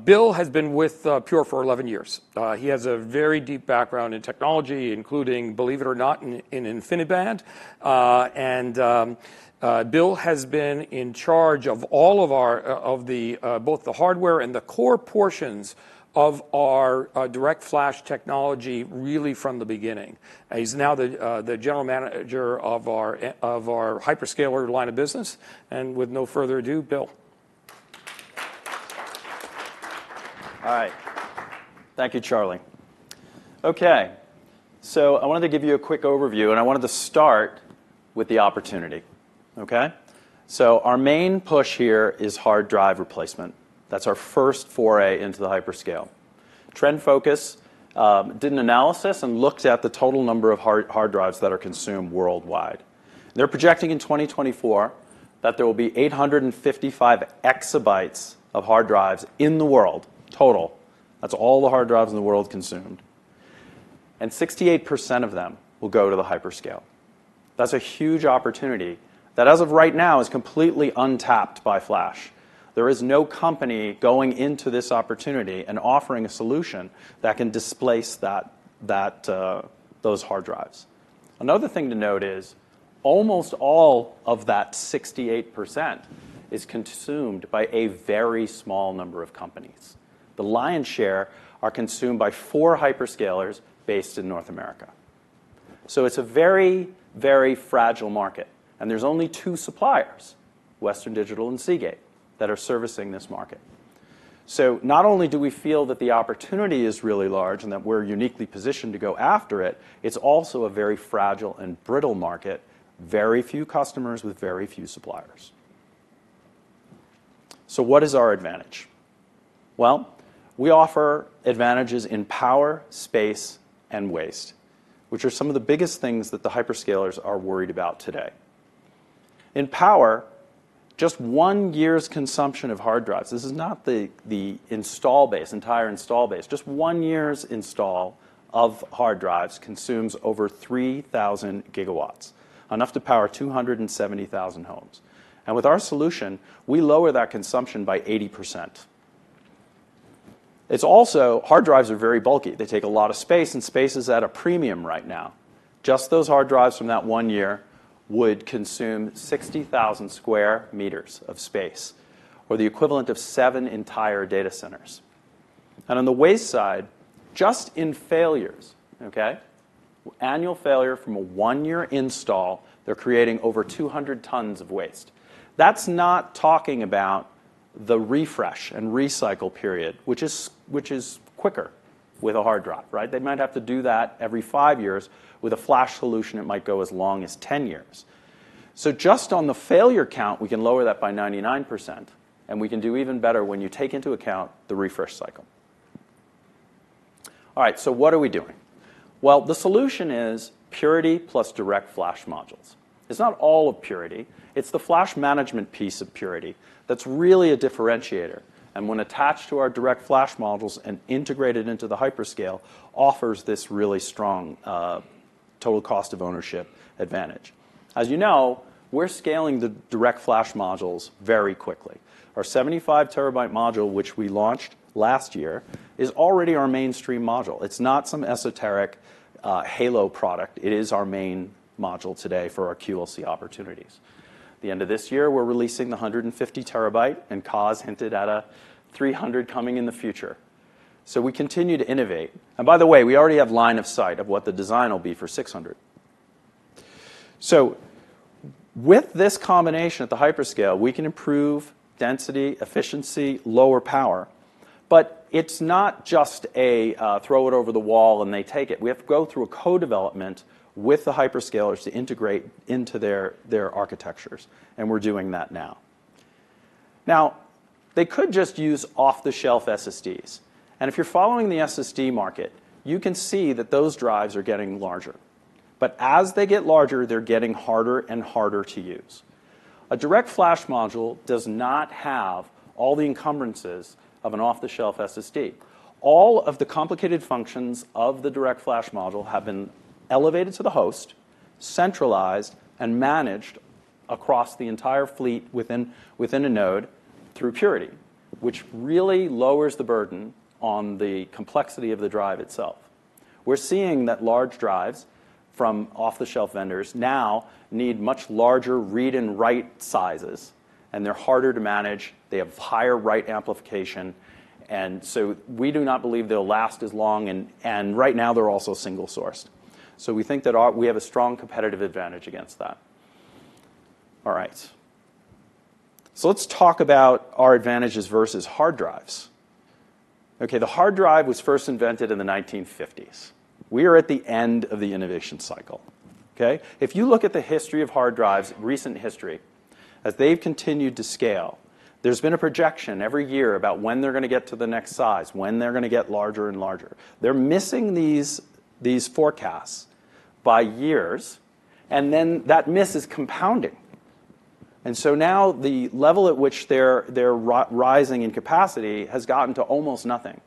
Bill has been with Pure for 11 years. He has a very deep background in technology, including, believe it or not, in InfiniBand. And Bill has been in charge of all of our, both the hardware and the core portions of our DirectFlash technology, really from the beginning. He's now the general manager of our hyperscaler line of business. With no further ado, Bill. All right. Thank you, Charlie. Okay, so I wanted to give you a quick overview, and I wanted to start with the opportunity, okay? So our main push here is hard drive replacement. That's our first foray into the hyperscale. TrendFocus did an analysis and looked at the total number of hard, hard drives that are consumed worldwide. They're projecting in 2024 that there will be 855 exabytes of hard drives in the world, total. That's all the hard drives in the world consumed, and 68% of them will go to the hyperscale. That's a huge opportunity that, as of right now, is completely untapped by Flash. There is no company going into this opportunity and offering a solution that can displace that, that, those hard drives. Another thing to note is almost all of that 68% is consumed by a very small number of companies. The lion's share are consumed by four hyperscalers based in North America. So it's a very, very fragile market, and there's only two suppliers, Western Digital and Seagate, that are servicing this market. So not only do we feel that the opportunity is really large and that we're uniquely positioned to go after it, it's also a very fragile and brittle market. Very few customers with very few suppliers. So what is our advantage? Well, we offer advantages in power, space, and waste, which are some of the biggest things that the hyperscalers are worried about today. In power, just one year's consumption of hard drives, this is not the install base, entire install base, just one year's install of hard drives consumes over 3,000 GW, enough to power 270,000 homes. And with our solution, we lower that consumption by 80%. It's also... Hard drives are very bulky. They take a lot of space, and space is at a premium right now. Just those hard drives from that one year would consume 60,000 square meters of space, or the equivalent of 7 entire data centers. And on the waste side, just in failures, okay, annual failure from a one-year install, they're creating over 200 tons of waste. That's not talking about the refresh and recycle period, which is quicker with a hard drive, right? They might have to do that every five years. With a flash solution, it might go as long as 10 years. So just on the failure count, we can lower that by 99%, and we can do even better when you take into account the refresh cycle. All right, so what are we doing? Well, the solution is Purity plus DirectFlash modules. It's not all of Purity. It's the flash management piece of Purity that's really a differentiator, and when attached to our DirectFlash modules and integrated into the hyperscale, offers this really strong, total cost of ownership advantage. As you know, we're scaling the DirectFlash modules very quickly. Our 75-TB module, which we launched last year, is already our mainstream module. It's not some esoteric, halo product. It is our main module today for our QLC opportunities. At the end of this year, we're releasing the 150 TB, and Coz hinted at a 300 coming in the future. So we continue to innovate. And by the way, we already have line of sight of what the design will be for 600. So with this combination at the hyperscale, we can improve density, efficiency, lower power, but it's not just a throw it over the wall and they take it. We have to go through a co-development with the hyperscalers to integrate into their, their architectures, and we're doing that now. Now, they could just use off-the-shelf SSDs, and if you're following the SSD market, you can see that those drives are getting larger. But as they get larger, they're getting harder and harder to use. A DirectFlash module does not have all the encumbrances of an off-the-shelf SSD. All of the complicated functions of the DirectFlash module have been elevated to the host, centralized, and managed across the entire fleet within a node through Purity, which really lowers the burden on the complexity of the drive itself. We're seeing that large drives from off-the-shelf vendors now need much larger read and write sizes, and they're harder to manage. They have higher write amplification, and so we do not believe they'll last as long, and right now, they're also single sourced. So we think that we have a strong competitive advantage against that. All right. So let's talk about our advantages versus hard drives. Okay, the hard drive was first invented in the 1950s. We are at the end of the innovation cycle, okay? If you look at the history of hard drives, recent history, as they've continued to scale, there's been a projection every year about when they're going to get to the next size, when they're going to get larger and larger. They're missing these forecasts by years, and then that miss is compounding. And so now the level at which they're rising in capacity has gotten to almost nothing.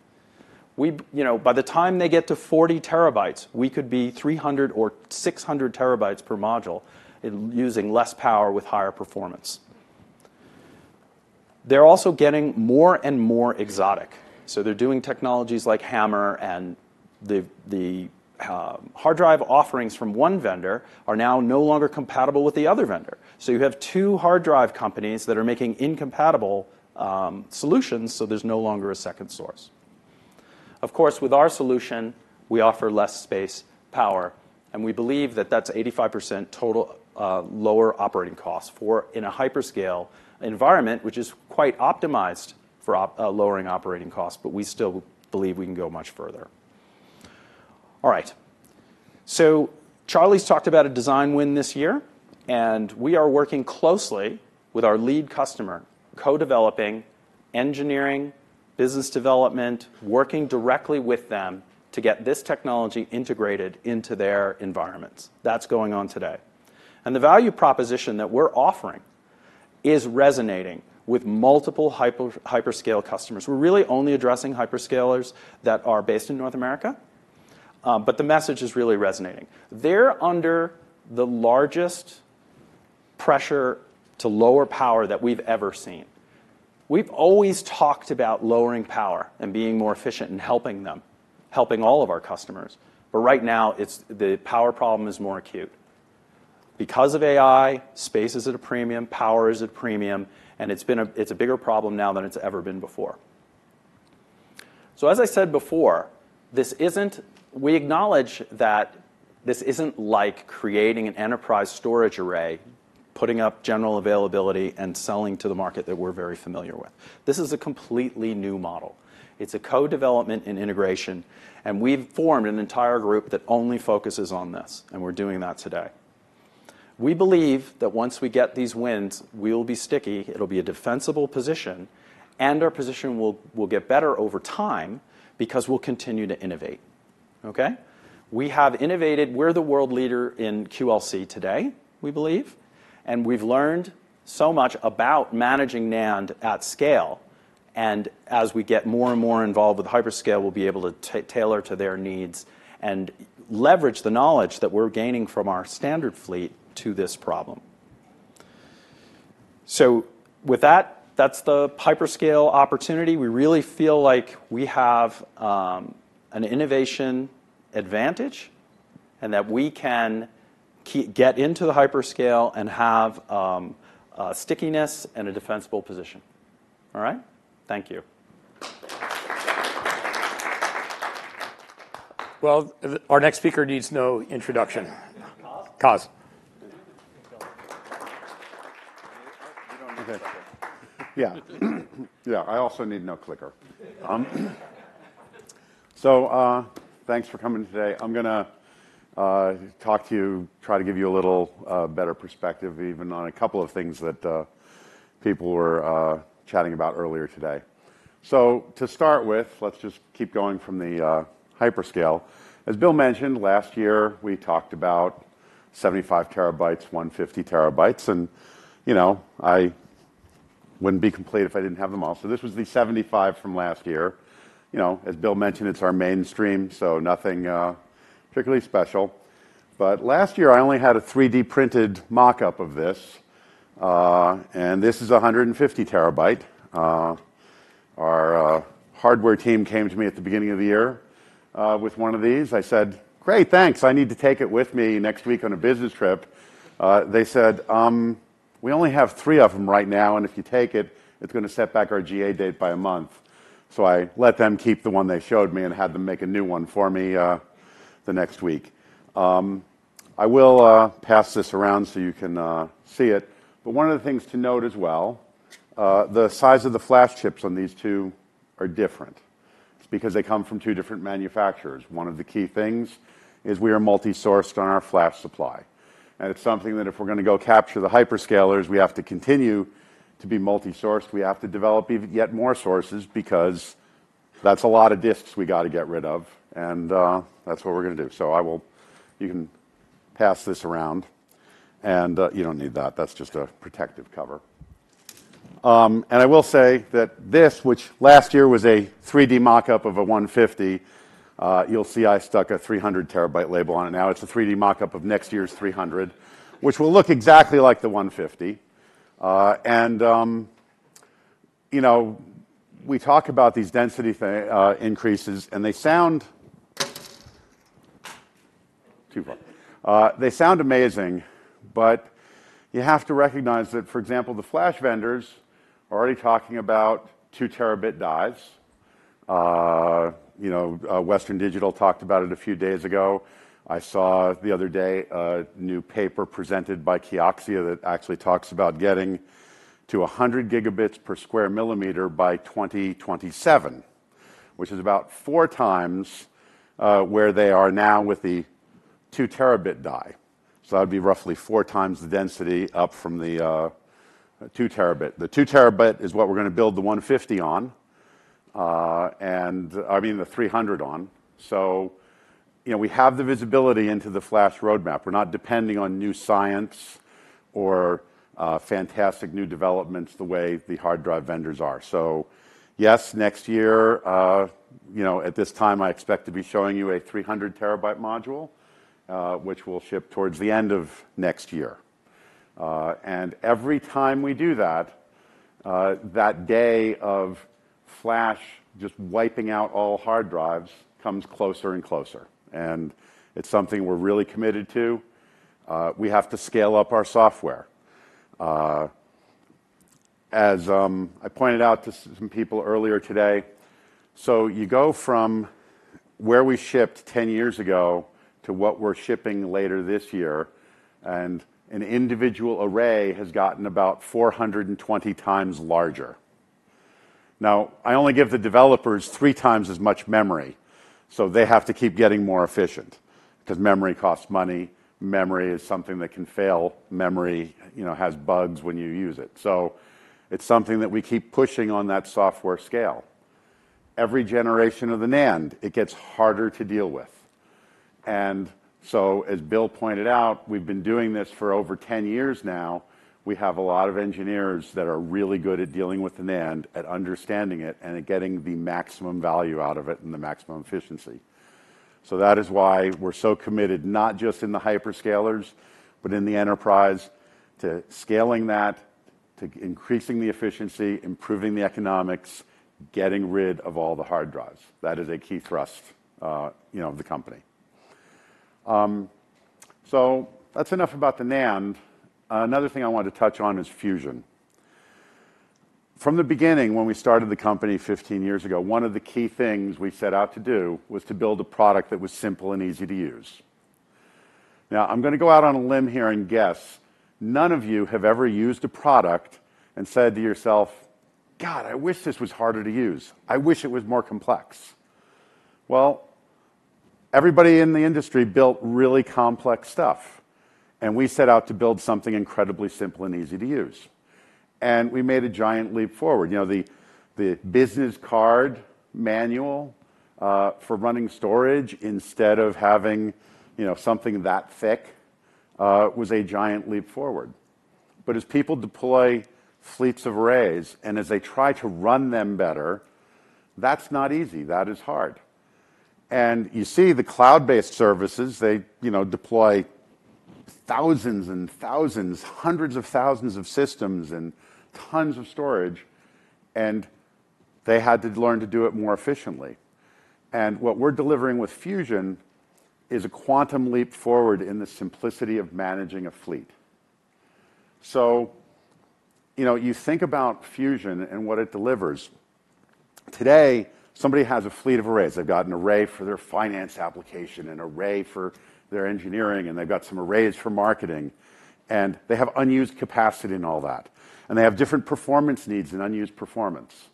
We, you know, by the time they get to 40 TB, we could be 300 or 600 TB per module, using less power with higher performance. They're also getting more and more exotic, so they're doing technologies like HAMR, and the hard drive offerings from one vendor are now no longer compatible with the other vendor. So you have two hard drive companies that are making incompatible solutions, so there's no longer a second source. Of course, with our solution, we offer less space, power, and we believe that that's 85% total lower operating costs for in a hyperscale environment, which is quite optimized for lowering operating costs, but we still believe we can go much further. All right. So Charlie's talked about a design win this year, and we are working closely with our lead customer, co-developing engineering, business development, working directly with them to get this technology integrated into their environments. That's going on today. And the value proposition that we're offering is resonating with multiple hyperscale customers. We're really only addressing hyperscalers that are based in North America, but the message is really resonating. They're under the largest pressure to lower power that we've ever seen. We've always talked about lowering power and being more efficient and helping them, helping all of our customers, but right now, it's the power problem is more acute. Because of AI, space is at a premium, power is at a premium, and it's been a, it's a bigger problem now than it's ever been before. So as I said before, this isn't. We acknowledge that this isn't like creating an enterprise storage array, putting up general availability, and selling to the market that we're very familiar with. This is a completely new model. It's a co-development and integration, and we've formed an entire group that only focuses on this, and we're doing that today. We believe that once we get these wins, we'll be sticky, it'll be a defensible position, and our position will get better over time because we'll continue to innovate, okay? We have innovated. We're the world leader in QLC today, we believe, and we've learned so much about managing NAND at scale, and as we get more and more involved with hyperscale, we'll be able to tailor to their needs and leverage the knowledge that we're gaining from our standard fleet to this problem. So with that, that's the hyperscale opportunity. We really feel like we have an innovation advantage, and that we can get into the hyperscale and have stickiness and a defensible position. All right? Thank you. Well, our next speaker needs no introduction. Coz? Coz. You don't need a clicker. Yeah. Yeah, I also need no clicker. So, thanks for coming today. I'm gonna talk to you, try to give you a little better perspective even on a couple of things that people were chatting about earlier today. So to start with, let's just keep going from the hyperscale. As Bill mentioned, last year, we talked about 75 terabytes, 150 terabytes, and, you know, I wouldn't be complete if I didn't have them all. So this was the 75 from last year. You know, as Bill mentioned, it's our mainstream, so nothing particularly special. But last year, I only had a 3D-printed mock-up of this, and this is a 150-terabyte. Our hardware team came to me at the beginning of the year with one of these. I said, "Great, thanks! I need to take it with me next week on a business trip." They said, "We only have three of them right now, and if you take it, it's gonna set back our GA date by a month." So I let them keep the one they showed me and had them make a new one for me the next week. I will pass this around so you can see it, but one of the things to note as well, the size of the flash chips on these two are different. It's because they come from two different manufacturers. One of the key things is we are multi-sourced on our flash supply, and it's something that if we're gonna go capture the hyperscalers, we have to continue to be multi-sourced. We have to develop even yet more sources because that's a lot of disks we gotta get rid of, and that's what we're gonna do. So I will... You can pass this around, and you don't need that. That's just a protective cover. And I will say that this, which last year was a 3D mock-up of a 150, you'll see I stuck a 300-terabyte label on it. Now it's a 3D mock-up of next year's 300, which will look exactly like the 150. You know, we talk about these density increases, and they sound too far. They sound amazing, but you have to recognize that, for example, the flash vendors are already talking about 2-terabit dies. You know, Western Digital talked about it a few days ago. I saw the other day a new paper presented by Kioxia that actually talks about getting to 100 gigabits per square millimeter by 2027, which is about 4 times where they are now with the 2-terabit die. So that'd be roughly 4x the density up from the 2-terabit. The 2-terabit is what we're gonna build the 150 on, and I mean, the 300 on. So, you know, we have the visibility into the flash roadmap. We're not depending on new science or fantastic new developments the way the hard drive vendors are. So, yes, next year, you know, at this time, I expect to be showing you a 300-terabyte module, which will ship towards the end of next year. And every time we do that, that day of flash just wiping out all hard drives comes closer and closer, and it's something we're really committed to. We have to scale up our software. As I pointed out to some people earlier today, so you go from where we shipped 10 years ago to what we're shipping later this year, and an individual array has gotten about 420 times larger. Now, I only give the developers 3x as much memory, so they have to keep getting more efficient, 'cause memory costs money, memory is something that can fail, memory, you know, has bugs when you use it. So it's something that we keep pushing on that software scale. Every generation of the NAND, it gets harder to deal with, and so as Bill pointed out, we've been doing this for over 10 years now. We have a lot of engineers that are really good at dealing with the NAND, at understanding it, and at getting the maximum value out of it and the maximum efficiency. So that is why we're so committed, not just in the hyperscalers, but in the enterprise, to scaling that, to increasing the efficiency, improving the economics, getting rid of all the hard drives. That is a key thrust, you know, of the company. So that's enough about the NAND. Another thing I wanted to touch on is Fusion. From the beginning, when we started the company 15 years ago, one of the key things we set out to do was to build a product that was simple and easy to use. Now, I'm gonna go out on a limb here and guess none of you have ever used a product and said to yourself, "God, I wish this was harder to use. I wish it was more complex." Well, everybody in the industry built really complex stuff, and we set out to build something incredibly simple and easy to use, and we made a giant leap forward. You know, the business card manual for running storage, instead of having, you know, something that thick, was a giant leap forward. But as people deploy fleets of arrays, and as they try to run them better, that's not easy. That is hard. And you see the cloud-based services, they, you know, deploy thousands and thousands, hundreds of thousands of systems and tons of storage, and they had to learn to do it more efficiently. What we're delivering with Fusion is a quantum leap forward in the simplicity of managing a fleet. So, you know, you think about Fusion and what it delivers. Today, somebody has a fleet of arrays. They've got an array for their finance application, an array for their engineering, and they've got some arrays for marketing, and they have unused capacity in all that, and they have different performance needs and unused performance.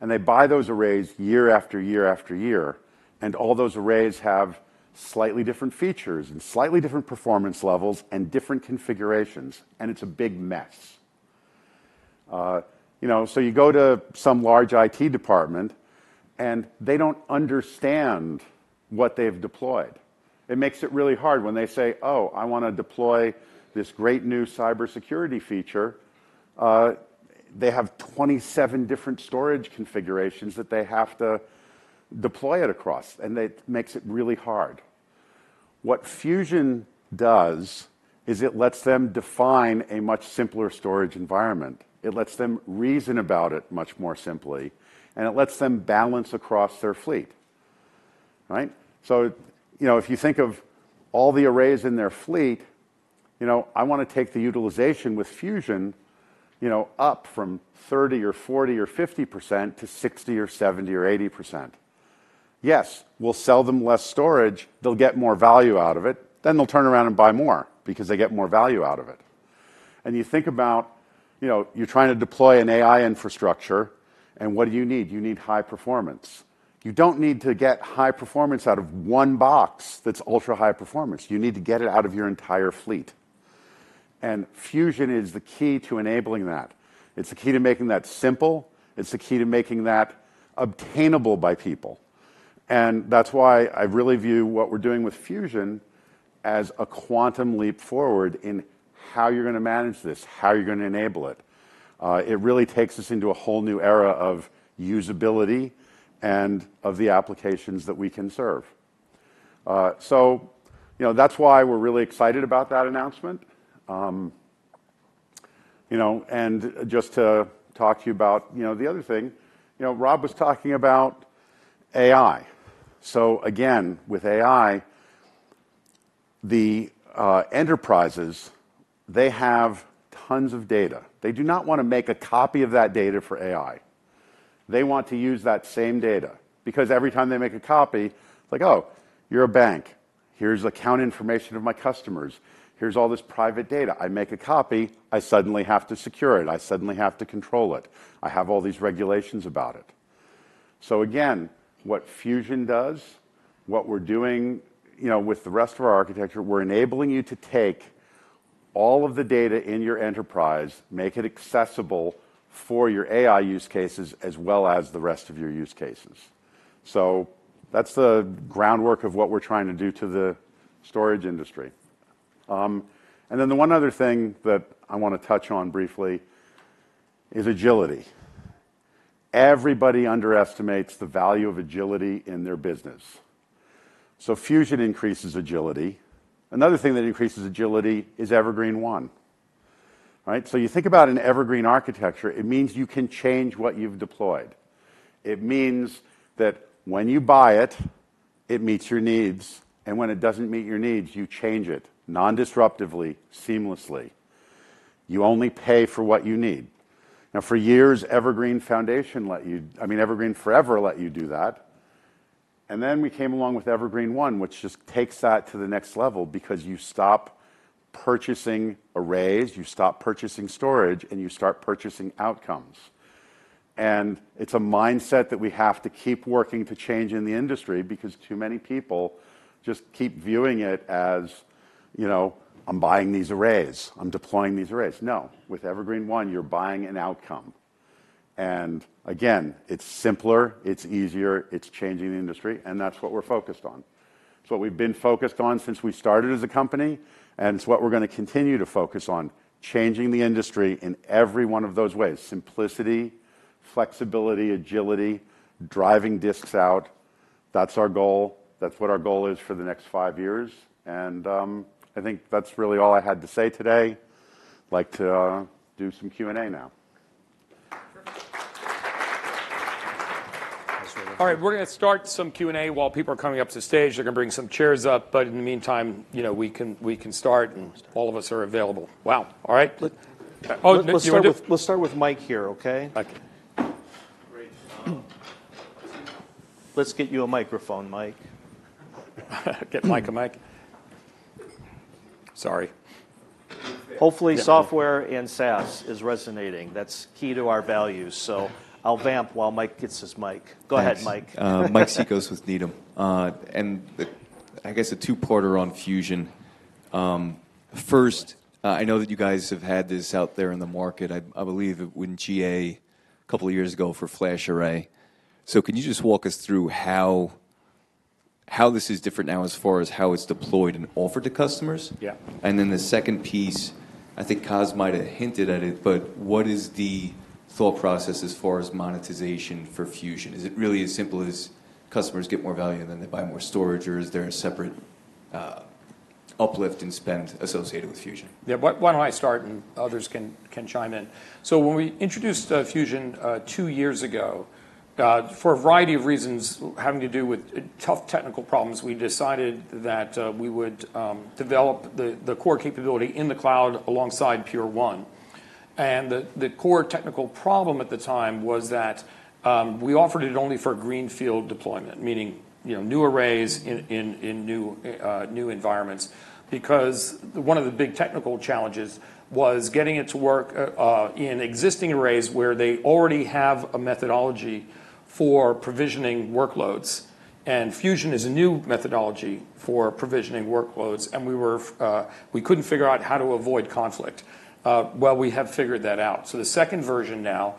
They buy those arrays year after year after year, and all those arrays have slightly different features and slightly different performance levels and different configurations, and it's a big mess. You know, so you go to some large IT department, and they don't understand what they've deployed. It makes it really hard when they say, "Oh, I want to deploy this great new cybersecurity feature." They have 27 different storage configurations that they have to deploy it across, and it makes it really hard. What Fusion does is it lets them define a much simpler storage environment. It lets them reason about it much more simply, and it lets them balance across their fleet, right? So, you know, if you think of all the arrays in their fleet, you know, I want to take the utilization with Fusion, you know, up from 30%, 40%, or 50%-60%, 70%, or 80%. Yes, we'll sell them less storage. They'll get more value out of it, then they'll turn around and buy more because they get more value out of it. You think about, you know, you're trying to deploy an AI infrastructure, and what do you need? You need high performance. You don't need to get high performance out of one box that's ultra-high performance. You need to get it out of your entire fleet, and Fusion is the key to enabling that. It's the key to making that simple. It's the key to making that obtainable by people, and that's why I really view what we're doing with Fusion as a quantum leap forward in how you're gonna manage this, how you're gonna enable it. It really takes us into a whole new era of usability and of the applications that we can serve. So, you know, that's why we're really excited about that announcement. You know, and just to talk to you about, you know, the other thing, you know, Rob was talking about AI. So again, with AI, the enterprises, they have tons of data. They do not want to make a copy of that data for AI. They want to use that same data because every time they make a copy, like, oh, you're a bank. Here's account information of my customers. Here's all this private data. I make a copy, I suddenly have to secure it. I suddenly have to control it. I have all these regulations about it. So again, what Fusion does, what we're doing, you know, with the rest of our architecture, we're enabling you to take all of the data in your enterprise, make it accessible for your AI use cases, as well as the rest of your use cases.... So that's the groundwork of what we're trying to do to the storage industry. And then the one other thing that I want to touch on briefly is agility. Everybody underestimates the value of agility in their business. So Fusion increases agility. Another thing that increases agility is Evergreen//One, right? So you think about an Evergreen architecture. It means you can change what you've deployed. It means that when you buy it, it meets your needs, and when it doesn't meet your needs, you change it non-disruptively, seamlessly. You only pay for what you need. Now, for years, Evergreen//Forever let you-- I mean, Evergreen//Forever let you do that, and then we came along with Evergreen//One, which just takes that to the next level because you stop purchasing arrays, you stop purchasing storage, and you start purchasing outcomes. And it's a mindset that we have to keep working to change in the industry because too many people just keep viewing it as, you know, I'm buying these arrays. I'm deploying these arrays. No, with Evergreen//One, you're buying an outcome. And again, it's simpler, it's easier, it's changing the industry, and that's what we're focused on. It's what we've been focused on since we started as a company, and it's what we're going to continue to focus on: changing the industry in every one of those ways, simplicity, flexibility, agility, driving disks out. That's our goal. That's what our goal is for the next five years, and I think that's really all I had to say today. I'd like to do some Q&A now. All right, we're going to start some Q&A while people are coming up to the stage. They're going to bring some chairs up, but in the meantime, you know, we can, we can start, and all of us are available. Wow! All right. Oh, do you want to? Let's start with Mike here, okay? Mike. Great, um- Let's get you a microphone, Mike. Get Mike a mic. Sorry. Hopefully, software and SaaS is resonating. That's key to our values. I'll vamp while Mike gets his mic. Thanks. Go ahead, Mike. Mike Cikos with Needham. And I guess a two-parter on Fusion. First, I know that you guys have had this out there in the market. I believe it went GA a couple of years ago for FlashArray. So could you just walk us through how this is different now, as far as how it's deployed and offered to customers? Yeah. And then the second piece, I think Coz might have hinted at it, but what is the thought process as far as monetization for Fusion? Is it really as simple as customers get more value, and then they buy more storage, or is there a separate, uplift in spend associated with Fusion? Yeah, why don't I start, and others can chime in? So when we introduced Fusion two years ago, for a variety of reasons having to do with tough technical problems, we decided that we would develop the core capability in the cloud alongside Pure1. And the core technical problem at the time was that we offered it only for greenfield deployment, meaning, you know, new arrays in new environments, because one of the big technical challenges was getting it to work in existing arrays where they already have a methodology for provisioning workloads, and Fusion is a new methodology for provisioning workloads, and we couldn't figure out how to avoid conflict. Well, we have figured that out. So the second version now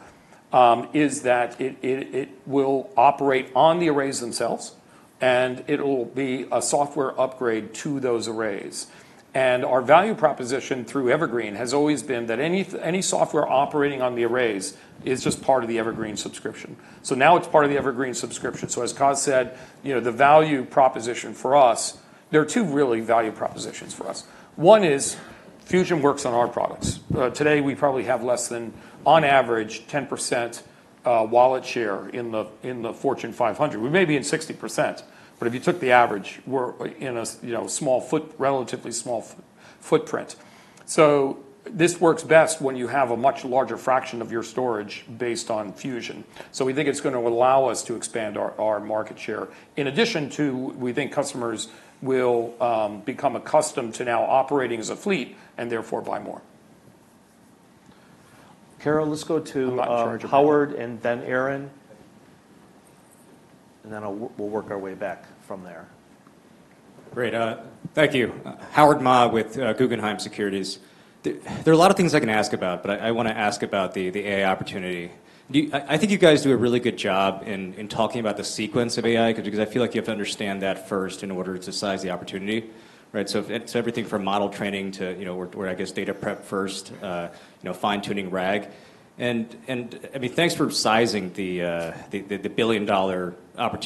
is that it will operate on the arrays themselves, and it'll be a software upgrade to those arrays. Our value proposition through Evergreen has always been that any software operating on the arrays is just part of the Evergreen subscription. So now it's part of the Evergreen subscription. So as Coz said, you know, the value proposition for us, there are two really value propositions for us. One is Fusion works on our products. Today, we probably have less than, on average, 10%, wallet share in the, in the Fortune 500. We may be at 60%, but if you took the average, we're in a, you know, relatively small footprint. So this works best when you have a much larger fraction of your storage based on Fusion. So we think it's going to allow us to expand our market share, in addition to we think customers will become accustomed to now operating as a fleet, and therefore buy more. Carol, let's go to, I'm not in charge of-... Howard, and then Aaron. And then I'll—we'll work our way back from there. Great, thank you. Howard Ma with Guggenheim Securities. There are a lot of things I can ask about, but I want to ask about the AI opportunity. I think you guys do a really good job in talking about the sequence of AI, 'cause I feel like you have to understand that first in order to size the opportunity, right? So if it's everything from model training to, you know, where I guess data prep first, you know, fine-tuning RAG. And I mean, thanks for sizing the billion-dollar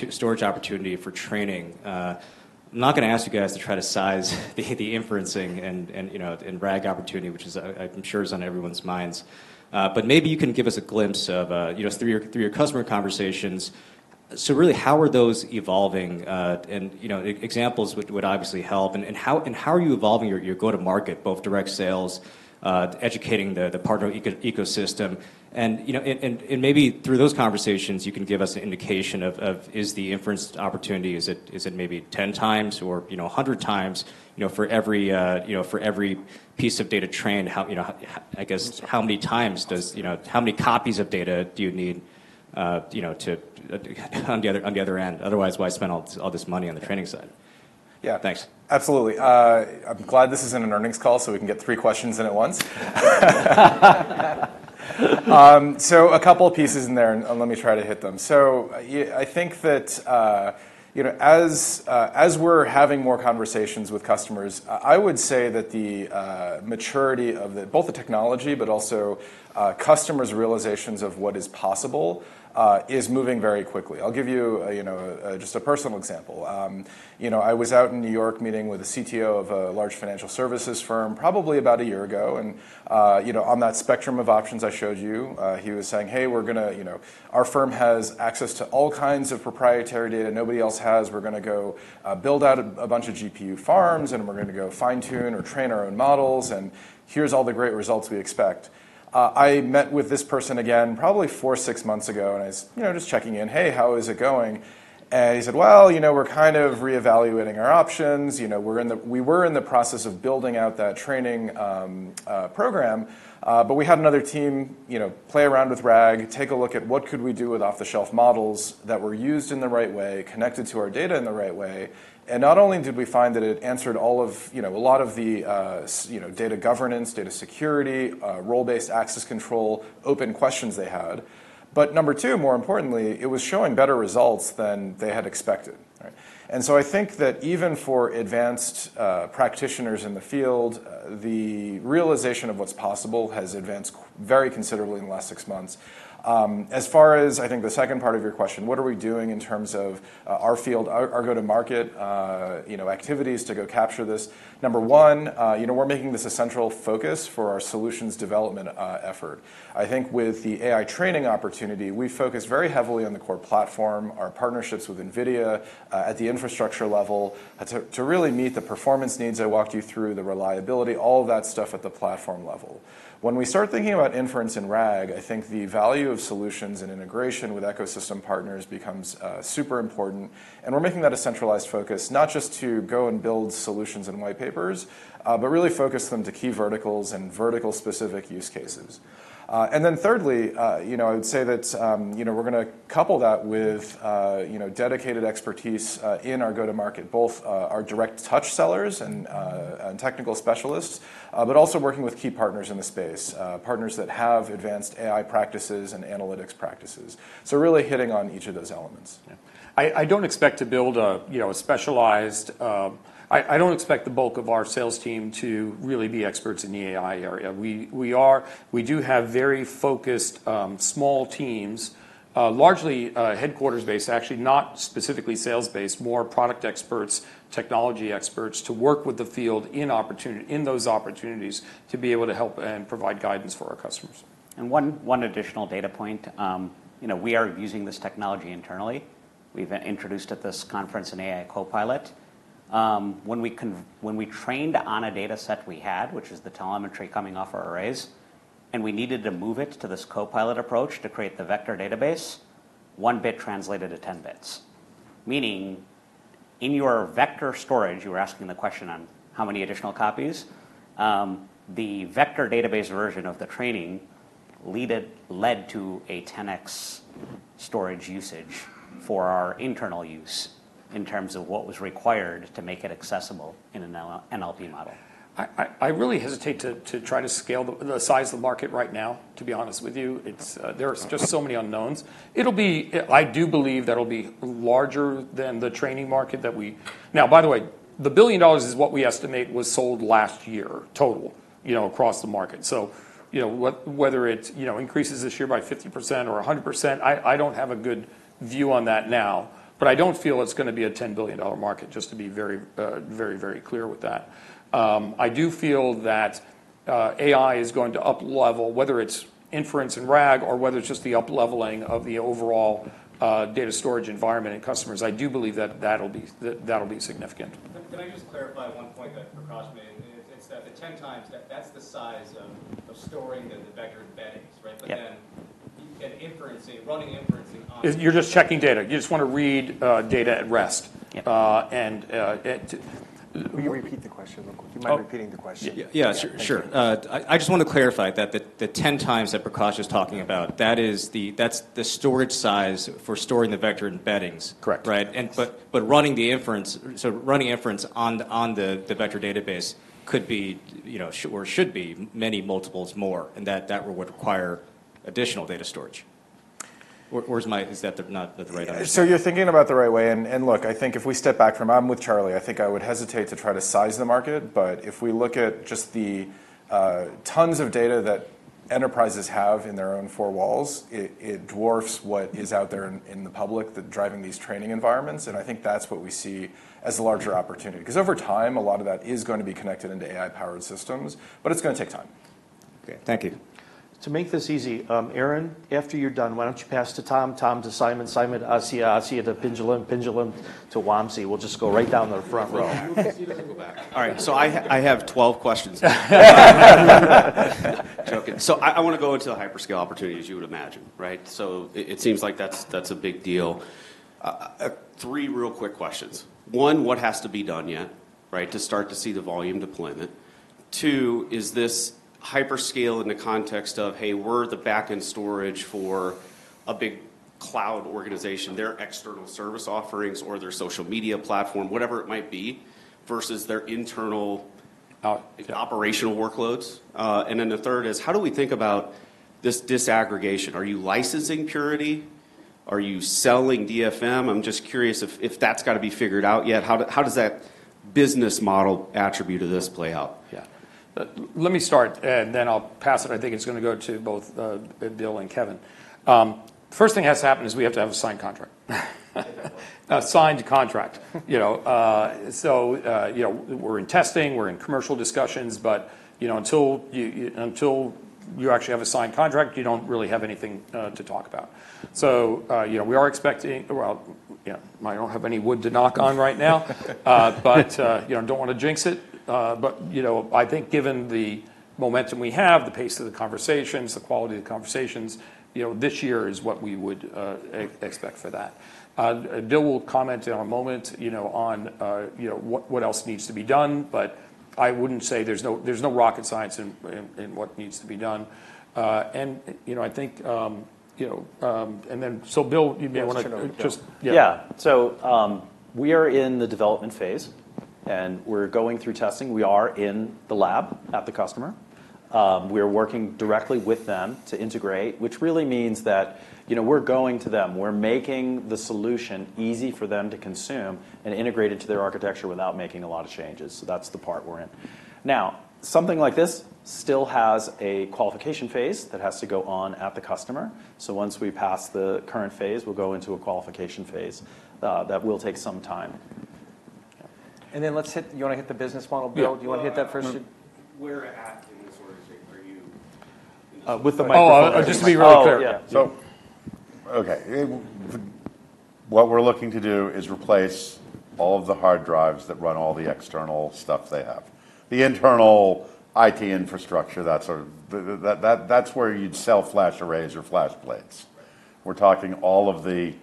storage opportunity for training. I'm not going to ask you guys to try to size the inferencing and, you know, and RAG opportunity, which I'm sure is on everyone's minds. But maybe you can give us a glimpse of, you know, through your customer conversations. So really, how are those evolving? And, you know, examples would obviously help. And how are you evolving your go-to-market, both direct sales, educating the partner ecosystem, and, you know, and maybe through those conversations, you can give us an indication of, is the inference opportunity, is it maybe 10 times or, you know, 100 times, you know, for every, you know, for every piece of data trained, how, you know, I guess- Sure... how many times does, you know, how many copies of data do you need, you know, to, on the other end? Otherwise, why spend all this money on the training side?... Yeah, thanks. Absolutely. I'm glad this isn't an earnings call, so we can get three questions in at once. So a couple of pieces in there, and let me try to hit them. So I think that, you know, as we're having more conversations with customers, I would say that the maturity of the—both the technology, but also, customers' realizations of what is possible, is moving very quickly. I'll give you, you know, just a personal example. You know, I was out in New York meeting with a CTO of a large financial services firm, probably about a year ago, and, you know, on that spectrum of options I showed you, he was saying: Hey, we're going to, you know, our firm has access to all kinds of proprietary data nobody else has. We're going to go build out a bunch of GPU farms, and we're going to go fine-tune or train our own models, and here's all the great results we expect. I met with this person again, probably four to six months ago, and I was, you know, just checking in, "Hey, how is it going?" And he said: "Well, you know, we're kind of reevaluating our options. You know, we were in the process of building out that training program, but we had another team, you know, play around with RAG, take a look at what could we do with off-the-shelf models that were used in the right way, connected to our data in the right way. And not only did we find that it answered all of, you know, a lot of the, you know, data governance, data security, role-based access control, open questions they had, but number two, more importantly, it was showing better results than they had expected, right? And so I think that even for advanced practitioners in the field, the realization of what's possible has advanced very considerably in the last six months. As far as I think the second part of your question, what are we doing in terms of our field, our, our go-to-market, you know, activities to go capture this? Number one, you know, we're making this a central focus for our solutions development effort. I think with the AI training opportunity, we focus very heavily on the core platform, our partnerships with NVIDIA, at the infrastructure level, to really meet the performance needs. I walked you through the reliability, all of that stuff at the platform level. When we start thinking about inference in RAG, I think the value of solutions and integration with ecosystem partners becomes super important, and we're making that a centralized focus, not just to go and build solutions and white papers, but really focus them to key verticals and vertical specific use cases. And then thirdly, you know, I would say that, you know, we're gonna couple that with, you know, dedicated expertise in our go-to-market, both our direct touch sellers and technical specialists, but also working with key partners in the space, partners that have advanced AI practices and analytics practices. So really hitting on each of those elements. Yeah. I don't expect the bulk of our sales team to really be experts in the AI area. We do have very focused small teams, largely headquarters-based, actually, not specifically sales-based, more product experts, technology experts to work with the field in opportunities, in those opportunities, to be able to help and provide guidance for our customers. One additional data point, you know, we are using this technology internally. We've introduced at this conference an AI Copilot. When we trained on a data set we had, which is the telemetry coming off our arrays, and we needed to move it to this copilot approach to create the vector database, one bit translated to 10 bits. Meaning, in your vector storage, you were asking the question on how many additional copies, the vector database version of the training led to a 10x storage usage for our internal use in terms of what was required to make it accessible in an NLP model. I really hesitate to try to scale the size of the market right now, to be honest with you. It's, there are just so many unknowns. It'll be, I do believe that it'll be larger than the training market that we... Now, by the way, the $1 billion is what we estimate was sold last year, total, you know, across the market. So, you know, what- whether it, you know, increases this year by 50% or 100%, I don't have a good view on that now, but I don't feel it's gonna be a $10 billion market, just to be very, very, very clear with that. I do feel that, AI is going to uplevel, whether it's inference in RAG or whether it's just the upleveling of the overall, data storage environment in customers. I do believe that that'll be significant. Can I just clarify one point that Prakash made? It's that the 10x, that, that's the size of, of storing the vector embeddings, right? Yeah. But then, at inferencing, running inferencing on- You're just checking data. You just want to read data at rest. Yeah. And it Will you repeat the question real quick? You mind repeating the question? Yeah, sure, sure. I just want to clarify that the 10 times that Prakash is talking about, that's the storage size for storing the vector embeddings. Correct. Right? But running the inference, so running inference on the vector database could be, you know, or should be many multiples more, and that would require additional data storage. Or is that not the right idea? So you're thinking about the right way, and, and look, I think if we step back from... I'm with Charlie. I think I would hesitate to try to size the market, but if we look at just the tons of data that enterprises have in their own four walls, it dwarfs what is out there in the public that's driving these training environments, and I think that's what we see as a larger opportunity. Because over time, a lot of that is going to be connected into AI-powered systems, but it's going to take time. Okay, thank you. To make this easy, Aaron, after you're done, why don't you pass to Tom, Tom to Simon, Simon, Asiya, Asiya to Pinjalim, Pinjalim to Wamsi? We'll just go right down the front row. Go back. All right, so I have 12 questions. Joking. So I want to go into the hyperscale opportunity, as you would imagine, right? So it seems like that's a big deal. Three real quick questions. One, what has to be done yet, right, to start to see the volume deployment? Two, is this hyperscale in the context of, hey, we're the backend storage for a big cloud organization, their external service offerings or their social media platform, whatever it might be, versus their internal out- Yeah operational workloads? And then the third is, how do we think about this disaggregation? Are you licensing Purity? Are you selling DFM? I'm just curious if that's got to be figured out yet. How does that business model attribute to this play out? Yeah. Let me start, and then I'll pass it. I think it's going to go to both, Bill and Kevan. First thing has to happen is we have to have a signed contract. A signed contract, you know, so, you know, we're in testing, we're in commercial discussions, but, you know, until you actually have a signed contract, you don't really have anything to talk about. So, you know, we are expecting, well, yeah, I don't have any wood to knock on right now, but, you know, don't want to jinx it. But, you know, I think given the momentum we have, the pace of the conversations, the quality of the conversations, you know, this year is what we would expect for that. Bill will comment in a moment, you know, on what else needs to be done, but I wouldn't say there's no rocket science in what needs to be done. And you know, I think you know. And then, so Bill, you may want to just- Yeah. So, we are in the development phase, and we're going through testing. We are in the lab at the customer. We're working directly with them to integrate, which really means that, you know, we're going to them. We're making the solution easy for them to consume and integrate into their architecture without making a lot of changes. So that's the part we're in. Now, something like this still has a qualification phase that has to go on at the customer. So once we pass the current phase, we'll go into a qualification phase, that will take some time. And then let's hit. You want to hit the business model, Bill? Yeah. Do you want to hit that first? Where at in this organization are you? With the- Oh, just to be really clear. Yeah. Okay, what we're looking to do is replace all of the hard drives that run all the external stuff they have. The internal IT infrastructure, that sort of—that, that's where you'd sell FlashArrays or FlashBlades. Right. We're talking all of the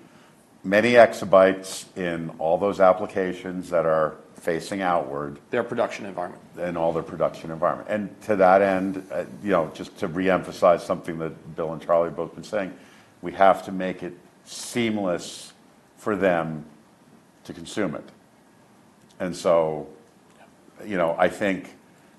many exabytes in all those applications that are facing outward- Their production environment.... in all their production environment. And to that end, you know, just to reemphasize something that Bill and Charlie have both been saying, we have to make it seamless for them to consume it. And so- Yeah... you know, I think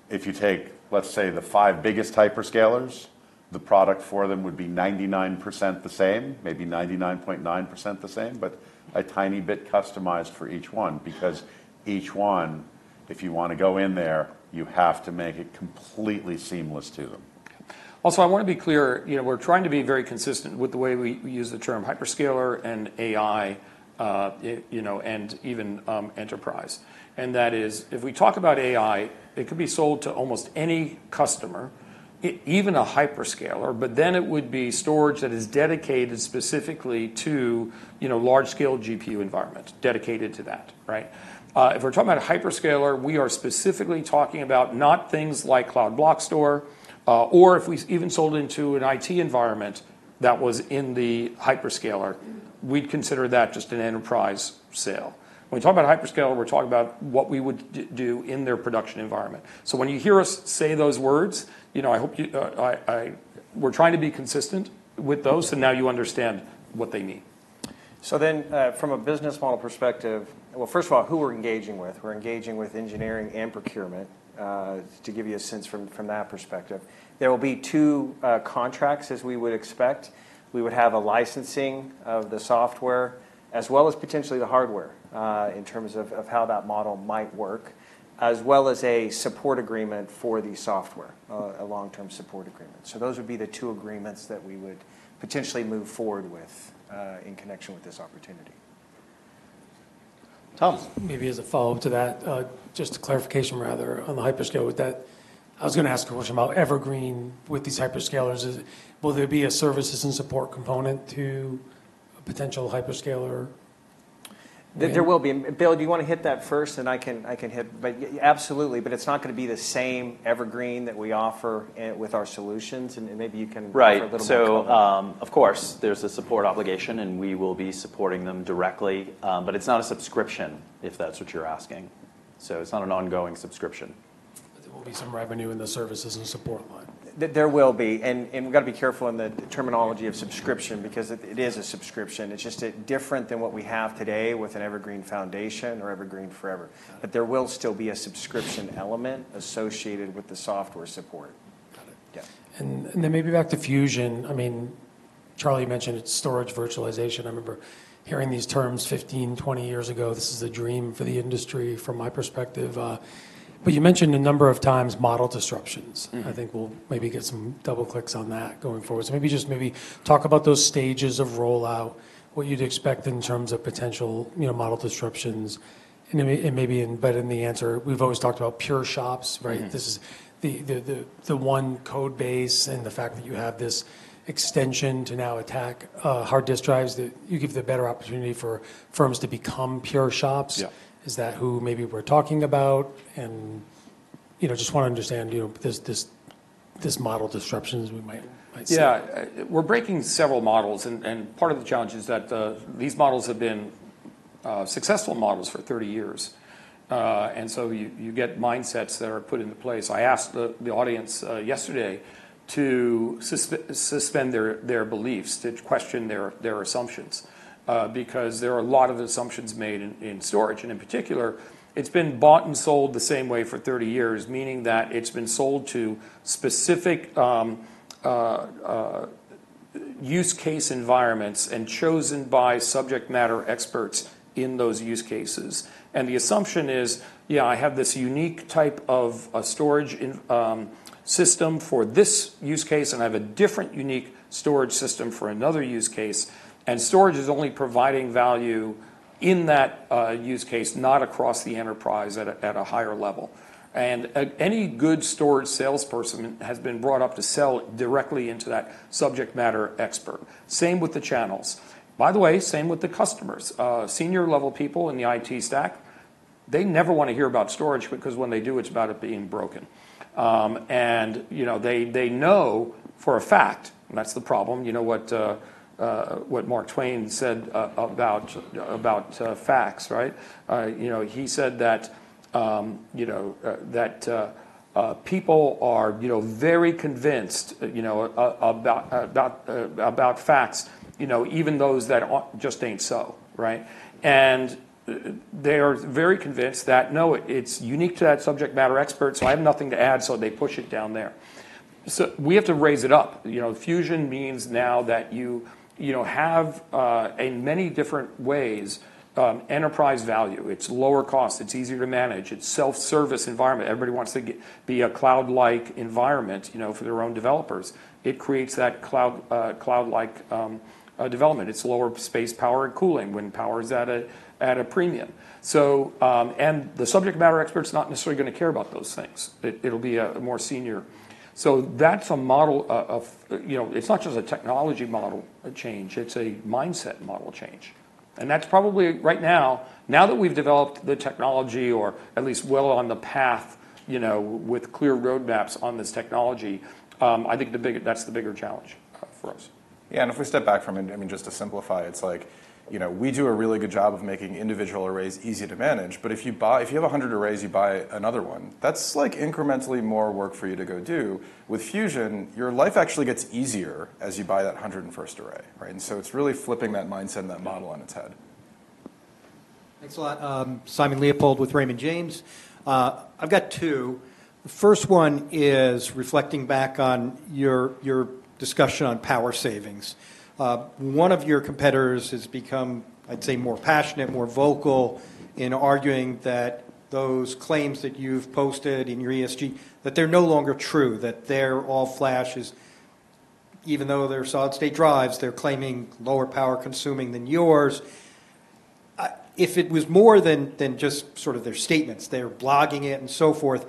if you take, let's say, the five biggest hyperscalers, the product for them would be 99% the same, maybe 99.9% the same, but a tiny bit customized for each one, because each one, if you want to go in there, you have to make it completely seamless to them. Also, I want to be clear, you know, we're trying to be very consistent with the way we use the term hyperscaler and AI, you know, and even enterprise. And that is, if we talk about AI, it could be sold to almost any customer, even a hyperscaler, but then it would be storage that is dedicated specifically to, you know, large-scale GPU environment, dedicated to that, right? If we're talking about a hyperscaler, we are specifically talking about not things like Cloud Block Store, or if we even sold into an IT environment that was in the hyperscaler, we'd consider that just an enterprise sale. When we talk about hyperscaler, we're talking about what we would do in their production environment. So when you hear us say those words, you know, I hope you, we're trying to be consistent with those, so now you understand what they mean. So then, from a business model perspective. Well, first of all, who we're engaging with, we're engaging with engineering and procurement, to give you a sense from that perspective. There will be two contracts, as we would expect. We would have a licensing of the software, as well as potentially the hardware, in terms of how that model might work, as well as a support agreement for the software, a long-term support agreement. So those would be the two agreements that we would potentially move forward with, in connection with this opportunity. Thomas? Maybe as a follow-up to that, just a clarification rather on the hyperscaler with that. I was going to ask a question about Evergreen with these hyperscalers. Is there—will there be a services and support component to a potential hyperscaler? There will be. And Bill, do you want to hit that first, and I can, I can hit... But absolutely, but it's not going to be the same Evergreen that we offer with our solutions, and, and maybe you can- Right. Go a little more in depth. So, of course, there's a support obligation, and we will be supporting them directly, but it's not a subscription, if that's what you're asking. So it's not an ongoing subscription. There will be some revenue in the services and support line. There will be, and we've got to be careful in the terminology of subscription because it is a subscription. It's just different than what we have today with an Evergreen//Foundation or Evergreen//Forever. But there will still be a subscription element associated with the software support. Got it. Yeah. Then maybe back to Fusion. I mean, Charlie, you mentioned it's storage virtualization. I remember hearing these terms 15, 20 years ago. This is a dream for the industry from my perspective. But you mentioned a number of times model disruptions. I think we'll maybe get some double clicks on that going forward. So maybe just maybe talk about those stages of rollout, what you'd expect in terms of potential, you know, model disruptions. And maybe embed in the answer, we've always talked about Pure shops, right? This is the one code base and the fact that you have this extension to now attack hard disk drives, that you give the better opportunity for firms to become Pure shops. Yeah. Is that who maybe we're talking about? You know, just want to understand, you know, this model disruptions we might see. Yeah. We're breaking several models, and part of the challenge is that these models have been successful models for 30 years. And so you get mindsets that are put into place. I asked the audience yesterday to suspend their beliefs, to question their assumptions. Because there are a lot of assumptions made in storage, and in particular, it's been bought and sold the same way for 30 years, meaning that it's been sold to specific use case environments and chosen by subject matter experts in those use cases. The assumption is, yeah, I have this unique type of a storage in, system for this use case, and I have a different unique storage system for another use case, and storage is only providing value in that use case, not across the enterprise at a higher level. Any good storage salesperson has been brought up to sell directly into that subject matter expert. Same with the channels. By the way, same with the customers. Senior-level people in the IT stack, they never want to hear about storage because when they do, it's about it being broken. And, you know, they know for a fact, and that's the problem, you know what, what Mark Twain said about facts, right? You know, he said that, you know, that people are, you know, very convinced, you know, about facts, you know, even those that just ain't so, right? And they are very convinced that, no, it's unique to that subject matter expert, so I have nothing to add, so they push it down there. So we have to raise it up. You know, Fusion means now that you, you know, have, in many different ways, enterprise value. It's lower cost, it's easier to manage, it's self-service environment. Everybody wants to be a cloud-like environment, you know, for their own developers. It creates that cloud, cloud-like, development. It's lower space, power, and cooling when power is at a premium. So, and the subject matter expert's not necessarily gonna care about those things. It'll be a more senior... So that's a model of, you know, it's not just a technology model change, it's a mindset model change. And that's probably, right now, now that we've developed the technology or at least well on the path, you know, with clear roadmaps on this technology, I think that's the bigger challenge for us. Yeah, and if we step back from it, I mean, just to simplify, it's like, you know, we do a really good job of making individual arrays easy to manage, but if you have 100 arrays, you buy another one, that's like incrementally more work for you to go do. With Fusion, your life actually gets easier as you buy that 101st array, right? And so it's really flipping that mindset and that model on its head. Thanks a lot. Simon Leopold with Raymond James. I've got two. The first one is reflecting back on your discussion on power savings. One of your competitors has become, I'd say, more passionate, more vocal in arguing that those claims that you've posted in your ESG, that they're no longer true, that their all flashes, even though they're solid-state drives, they're claiming lower power consuming than yours. If it was more than just sort of their statements, they're blogging it and so forth,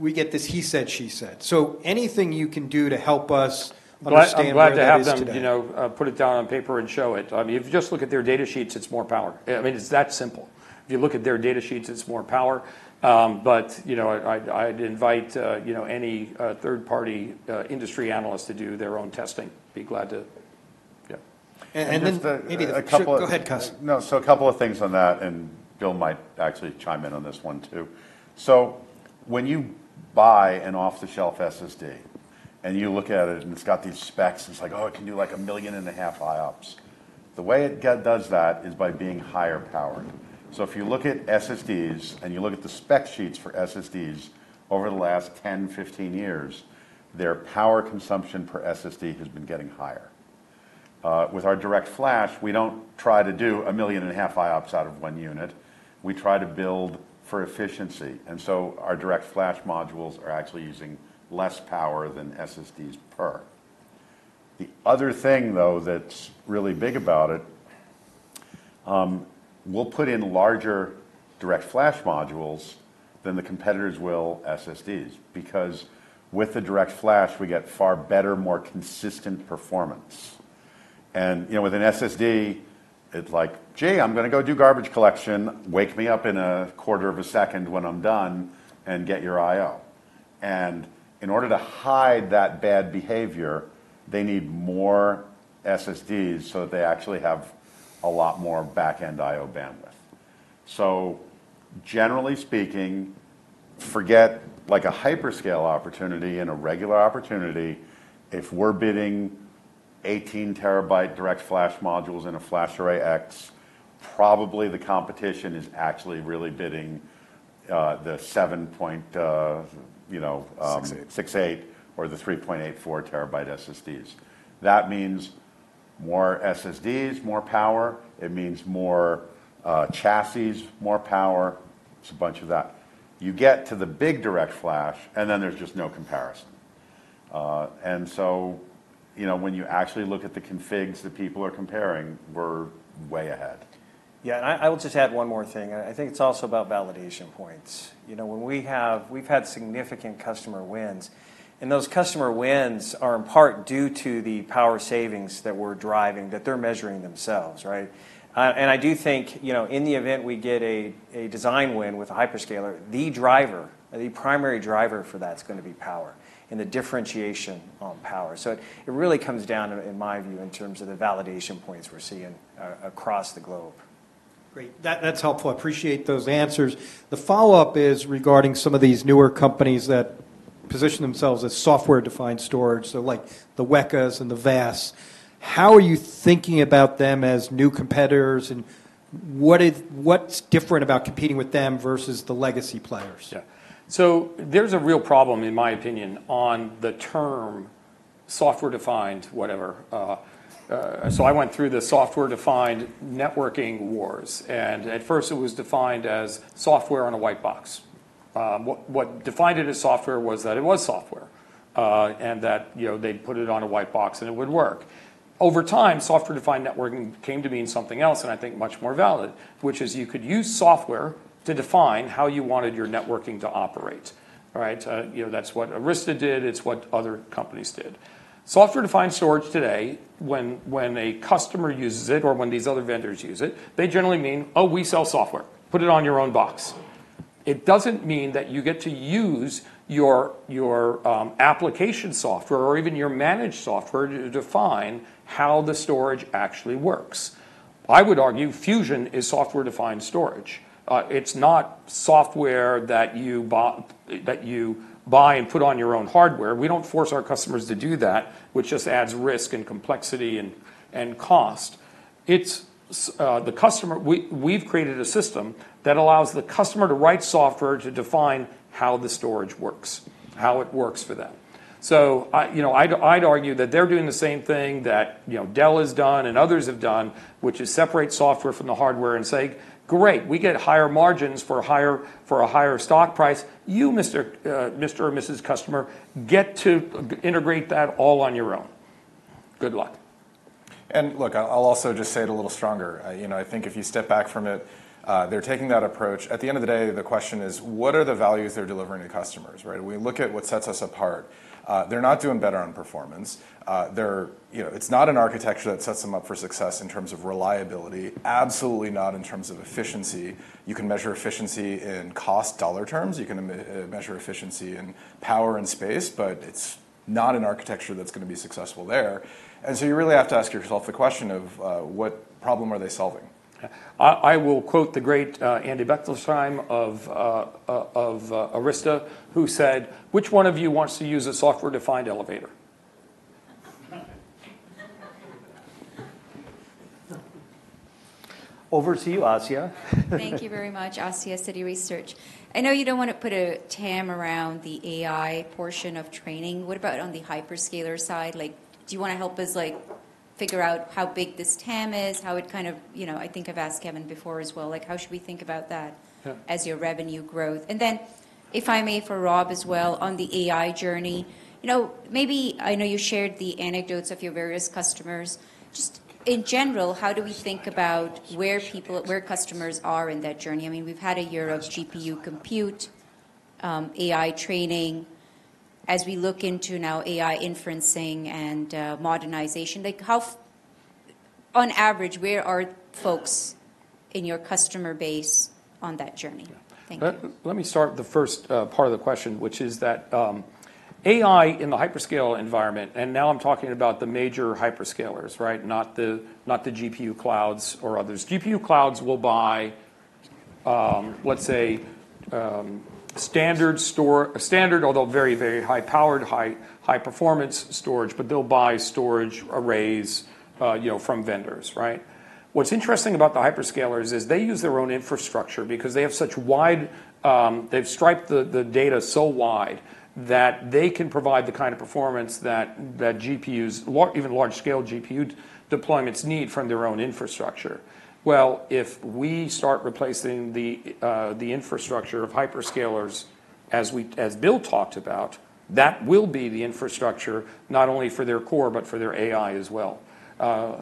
we get this, he said, she said. So anything you can do to help us understand where that is today? Well, I'm glad to have them, you know, put it down on paper and show it. I mean, if you just look at their data sheets, it's more power. I mean, it's that simple. If you look at their data sheets, it's more power. But, you know, I'd invite, you know, any third party industry analyst to do their own testing. Be glad to... Yeah. And then- Just a couple of- Go ahead, Coz No, so a couple of things on that, and Bill might actually chime in on this one, too. So when you buy an off-the-shelf SSD, and you look at it, and it's got these specs, and it's like, "Oh, it can do like 1.5 million IOPS." The way it does that is by being higher powered. So if you look at SSDs, and you look at the spec sheets for SSDs over the last 10, 15 years, their power consumption per SSD has been getting higher. With our DirectFlash, we don't try to do 1.5 million IOPS out of one unit. We try to build for efficiency, and so our DirectFlash modules are actually using less power than SSDs per. The other thing, though, that's really big about it, we'll put in larger DirectFlash modules than the competitors will SSDs, because with the DirectFlash, we get far better, more consistent performance. And, you know, with an SSD, it's like, "Gee, I'm gonna go do garbage collection. Wake me up in a quarter of a second when I'm done and get your I/O." And in order to hide that bad behavior, they need more SSDs, so they actually have a lot more back-end I/O bandwidth. So generally speaking, forget like a hyperscale opportunity and a regular opportunity. If we're bidding 18-terabyte DirectFlash modules in a FlashArray//X, probably the competition is actually really bidding the 7-point, you know, 6.8... 6.8 or the 3.84 TB SSDs. That means more SSDs, more power. It means more, chassis, more power. It's a bunch of that. You get to the big DirectFlash, and then there's just no comparison. And so, you know, when you actually look at the configs that people are comparing, we're way ahead. Yeah, and I will just add one more thing. I think it's also about validation points. You know, when we have, we've had significant customer wins, and those customer wins are in part due to the power savings that we're driving, that they're measuring themselves, right? And I do think, you know, in the event we get a design win with a hyperscaler, the driver, the primary driver for that is gonna be power and the differentiation on power. So it really comes down, in my view, in terms of the validation points we're seeing across the globe. ... Great, that, that's helpful. I appreciate those answers. The follow-up is regarding some of these newer companies that position themselves as software-defined storage, so like the WEKAs and the VASTs. How are you thinking about them as new competitors, and what is- what's different about competing with them versus the legacy players? Yeah. So there's a real problem, in my opinion, on the term software-defined whatever. So I went through the software-defined networking wars, and at first it was defined as software on a white box. What defined it as software was that it was software, and that, you know, they'd put it on a white box, and it would work. Over time, software-defined networking came to mean something else, and I think much more valid, which is you could use software to define how you wanted your networking to operate. All right? You know, that's what Arista did. It's what other companies did. Software-defined storage today, when a customer uses it or when these other vendors use it, they generally mean, "Oh, we sell software. Put it on your own box." It doesn't mean that you get to use your application software or even your managed software to define how the storage actually works. I would argue Fusion is software-defined storage. It's not software that you buy and put on your own hardware. We don't force our customers to do that, which just adds risk and complexity and cost. It's the customer. We, we've created a system that allows the customer to write software to define how the storage works, how it works for them. So I, you know, I'd argue that they're doing the same thing that, you know, Dell has done and others have done, which is separate software from the hardware and say, "Great, we get higher margins for higher, for a higher stock price. You, Mr. or Mrs.Customer, get to integrate that all on your own. Good luck. Look, I, I'll also just say it a little stronger. You know, I think if you step back from it, they're taking that approach. At the end of the day, the question is, what are the values they're delivering to customers, right? We look at what sets us apart. They're not doing better on performance. You know, it's not an architecture that sets them up for success in terms of reliability, absolutely not in terms of efficiency. You can measure efficiency in cost dollar terms, you can measure efficiency in power and space, but it's not an architecture that's going to be successful there. And so you really have to ask yourself the question of, what problem are they solving? I will quote the great Andy Bechtolsheim of Arista, who said, "Which one of you wants to use a software-defined elevator? Over to you, Asiya. Thank you very much. Asiya, Citi Research. I know you don't want to put a TAM around the AI portion of training. What about on the hyperscaler side? Like, do you want to help us, like, figure out how big this TAM is, how it kind of... You know, I think I've asked Kevan before as well, like, how should we think about that- Yeah... as your revenue growth? And then, if I may, for Rob as well, on the AI journey, you know, maybe, I know you shared the anecdotes of your various customers. Just in general, how do we think about where people- where customers are in that journey? I mean, we've had a year of GPU compute, AI training. As we look into now AI inferencing and modernization, like, how, on average, where are folks in your customer base on that journey? Yeah. Thank you. Let me start with the first part of the question, which is that AI in the hyperscale environment, and now I'm talking about the major hyperscalers, right? Not the GPU clouds or others. GPU clouds will buy, let's say, a standard, although very, very high-powered, high-performance storage, but they'll buy storage arrays, you know, from vendors, right? What's interesting about the hyperscalers is they use their own infrastructure because they have such wide, they've striped the data so wide that they can provide the kind of performance that GPUs or even large-scale GPU deployments need from their own infrastructure. Well, if we start replacing the infrastructure of hyperscalers as Bill talked about, that will be the infrastructure not only for their core, but for their AI as well.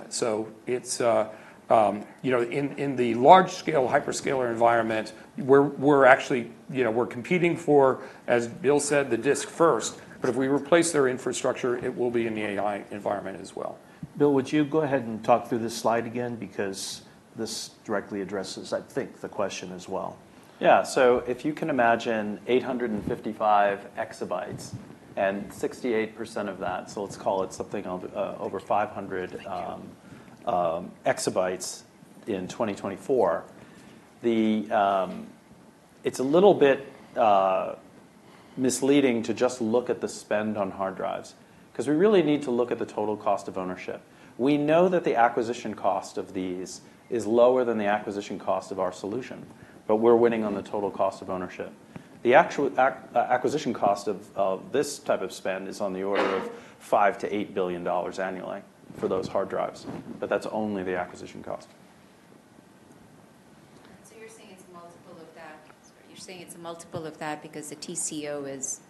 So it's, you know, in the large-scale hyperscaler environment, we're actually, you know, we're competing for, as Bill said, the disk first, but if we replace their infrastructure, it will be in the AI environment as well. Bill, would you go ahead and talk through this slide again? Because this directly addresses, I think, the question as well. Yeah. So if you can imagine 855 exabytes and 68% of that, so let's call it something over, over 500- Thank you... exabytes in 2024, the, it's a little bit, misleading to just look at the spend on hard drives. 'Cause we really need to look at the total cost of ownership. We know that the acquisition cost of these is lower than the acquisition cost of our solution, but we're winning on the total cost of ownership. The actual acquisition cost of, of this type of spend is on the order of $5-$8 billion annually for those hard drives, but that's only the acquisition cost. So you're saying it's a multiple of that. You're saying it's a multiple of that because the TCO is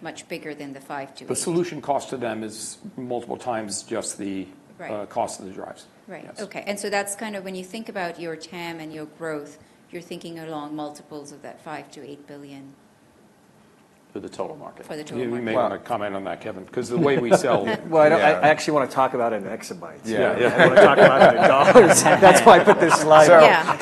much bigger than the 5-8- The solution cost to them is multiple times just the- Right... cost of the drives. Right. Yes. Okay, and so that's kind of when you think about your TAM and your growth, you're thinking along multiples of that $5 billion-$8 billion. For the total market. For the total market. You may want to comment on that, Kevan, 'cause the way we sell- Well, I don't- Yeah. I actually want to talk about it in exabytes. Yeah. Yeah. I want to talk about it in dollars. That's why I put this slide up. Yeah.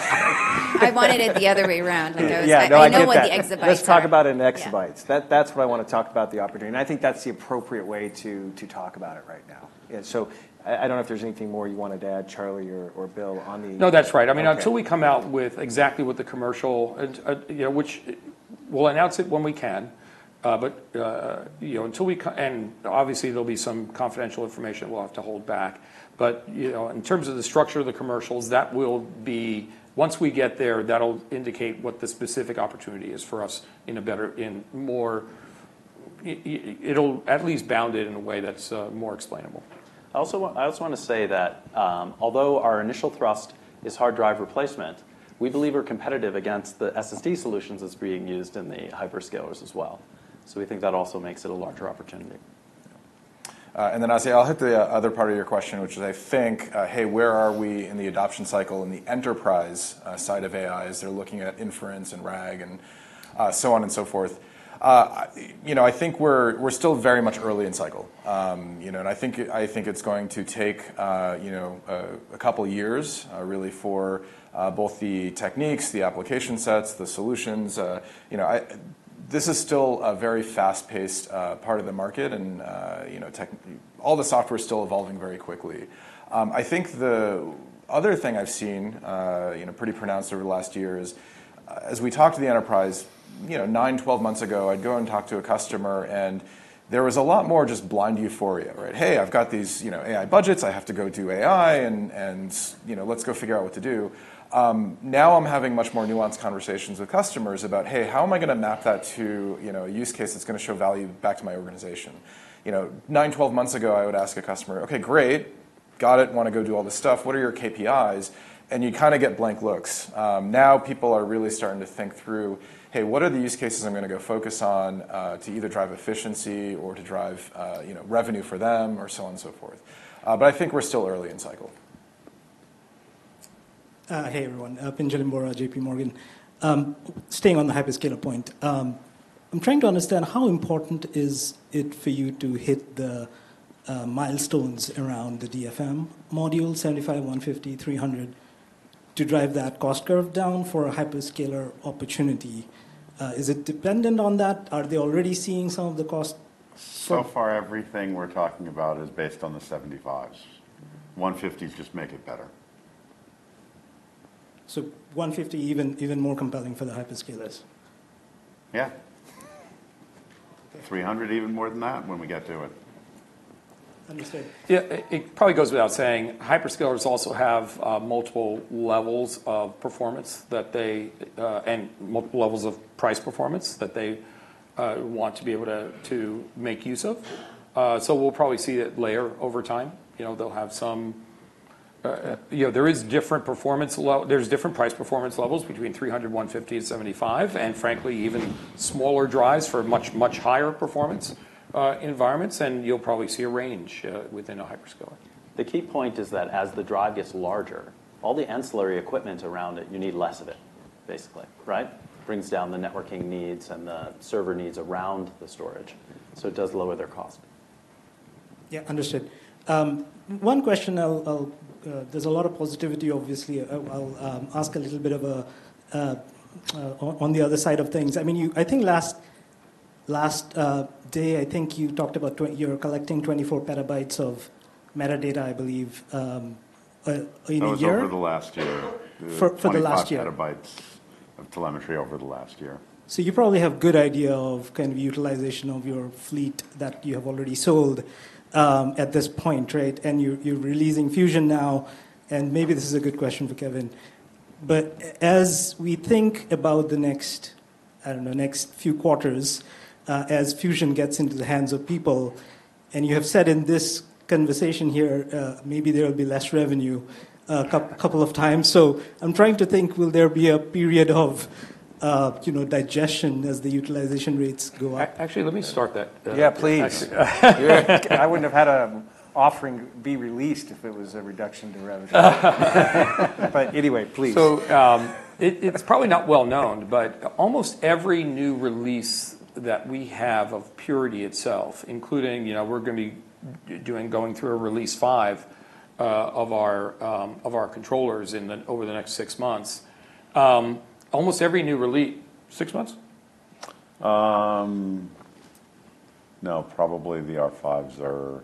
I wanted it the other way around, and I was- Yeah, no, I get that. I know what the exabytes are. Let's talk about it in exabytes. Yeah. That, that's what I want to talk about the opportunity, and I think that's the appropriate way to talk about it right now. Yeah, so I don't know if there's anything more you wanted to add, Charlie or Bill, on the- No, that's right. Okay. I mean, until we come out with exactly what the commercial, you know, which we'll announce it when we can. But you know, obviously there'll be some confidential information we'll have to hold back. But, you know, in terms of the structure of the commercials, that will be... Once we get there, that'll indicate what the specific opportunity is for us in a better, in more, it'll at least bound it in a way that's more explainable. I also want to say that, although our initial thrust is hard drive replacement, we believe we're competitive against the SSD solutions that's being used in the hyperscalers as well. So we think that also makes it a larger opportunity. And then I say, I'll hit the other part of your question, which is, I think, hey, where are we in the adoption cycle in the enterprise side of AI as they're looking at inference and RAG and so on and so forth? You know, I think we're still very much early in cycle. You know, and I think it's going to take, you know, a couple of years, really for both the techniques, the application sets, the solutions. You know, this is still a very fast-paced part of the market, and, you know, all the software is still evolving very quickly. I think the other thing I've seen, you know, pretty pronounced over the last year is, as we talk to the enterprise, you know, 9, 12 months ago, I'd go and talk to a customer, and there was a lot more just blind euphoria, right? "Hey, I've got these, you know, AI budgets. I have to go do AI, and you know, let's go figure out what to do." Now I'm having much more nuanced conversations with customers about, "Hey, how am I going to map that to, you know, a use case that's going to show value back to my organization?" You know, nine, 12 months ago, I would ask a customer, "Okay, great. Got it, want to go do all this stuff. What are your KPIs?" And you kind of get blank looks. Now people are really starting to think through, Hey, what are the use cases I'm going to go focus on, to either drive efficiency or to drive, you know, revenue for them, or so on and so forth. But I think we're still early in cycle. Hey, everyone, Pinjalim Bora, J.P. Morgan. Staying on the hyperscaler point, I'm trying to understand how important is it for you to hit the milestones around the DFM module, 75, 150, 300, to drive that cost curve down for a hyperscaler opportunity? Is it dependent on that? Are they already seeing some of the cost- So far, everything we're talking about is based on the 75s. 150s just make it better. 150 even, even more compelling for the hyperscalers? Yeah. 300, even more than that when we get to it. Understand. Yeah, it probably goes without saying, hyperscalers also have multiple levels of performance that they and multiple levels of price performance that they want to be able to, to make use of. So we'll probably see that layer over time. You know, they'll have some. You know, there is different performance le-- there's different price performance levels between 300, 150, and 75, and frankly, even smaller drives for much, much higher performance environments, and you'll probably see a range within a hyperscaler. The key point is that as the drive gets larger, all the ancillary equipment around it, you need less of it, basically. Right? Brings down the networking needs and the server needs around the storage, so it does lower their cost. Yeah, understood. One question I'll, there's a lot of positivity, obviously. I'll ask a little bit of a on the other side of things. I mean, you-- I think last day, I think you talked about you were collecting 24 TB of metadata, I believe, in a year? That was over the last year. For the last year. 25 TB of telemetry over the last year. So you probably have a good idea of kind of utilization of your fleet that you have already sold, at this point, right? And you're, you're releasing Fusion now, and maybe this is a good question for Kevan. But as we think about the next, I don't know, next few quarters, as Fusion gets into the hands of people, and you have said in this conversation here, maybe there will be less revenue, a couple of times. So I'm trying to think, will there be a period of, you know, digestion as the utilization rates go up? Actually, let me start that. Yeah, please. I wouldn't have had an offering be released if it was a reduction to revenue. But anyway, please. So, it's probably not well known, but almost every new release that we have of Purity itself, including, you know, we're going to be doing, going through a Release five of our controllers over the next six months. Almost every new release... Six months? No, probably the R5s are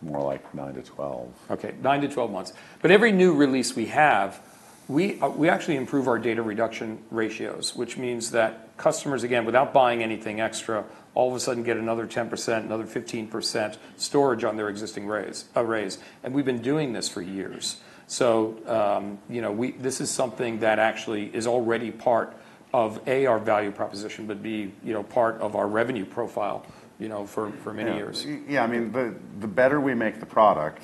more like nine to 12. Okay, nine to 12 months. But every new release we have, we actually improve our data reduction ratios, which means that customers, again, without buying anything extra, all of a sudden get another 10%, another 15% storage on their existing arrays, and we've been doing this for years. So, you know, we, this is something that actually is already part of, A, our value proposition, but B, you know, part of our revenue profile, you know, for many years. Yeah, yeah. I mean, the better we make the product,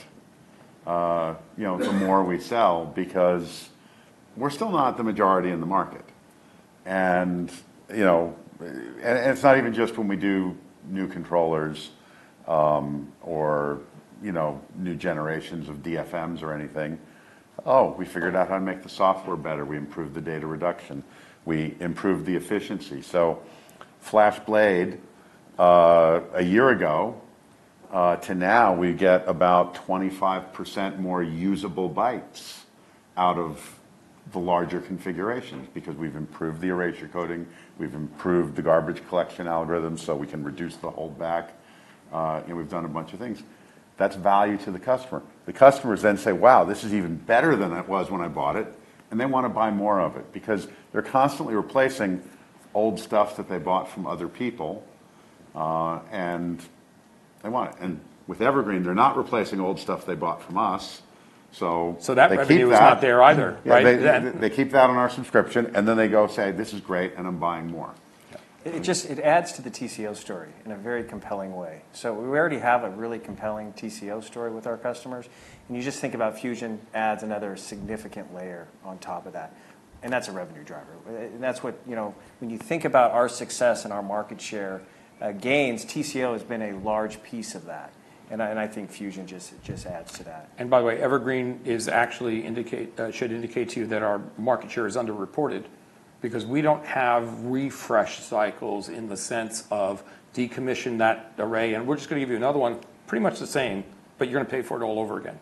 you know, the more we sell, because we're still not the majority in the market. And, you know, and it's not even just when we do new controllers, or, you know, new generations of DFMs or anything. Oh, we figured out how to make the software better. We improved the data reduction. We improved the efficiency. So FlashBlade, a year ago to now, we get about 25% more usable bytes out of the larger configurations because we've improved the erasure coding, we've improved the garbage collection algorithm, so we can reduce the holdback. And we've done a bunch of things. That's value to the customer. The customers then say, "Wow, this is even better than it was when I bought it," and they want to buy more of it because they're constantly replacing old stuff that they bought from other people, and they want it. And with Evergreen, they're not replacing old stuff they bought from us, so they keep that- So that revenue is not there either, right? Yeah, they, they keep that on our subscription, and then they go say, "This is great, and I'm buying more. Yeah. It just adds to the TCO story in a very compelling way. So we already have a really compelling TCO story with our customers, and you just think about Fusion adds another significant layer on top of that, and that's a revenue driver. And that's what, you know, when you think about our success and our market share gains, TCO has been a large piece of that, and I think Fusion just adds to that. And by the way, Evergreen actually indicates to you that our market share is underreported because we don't have refresh cycles in the sense of decommission that array, and we're just going to give you another one, pretty much the same, but you're going to pay for it all over again.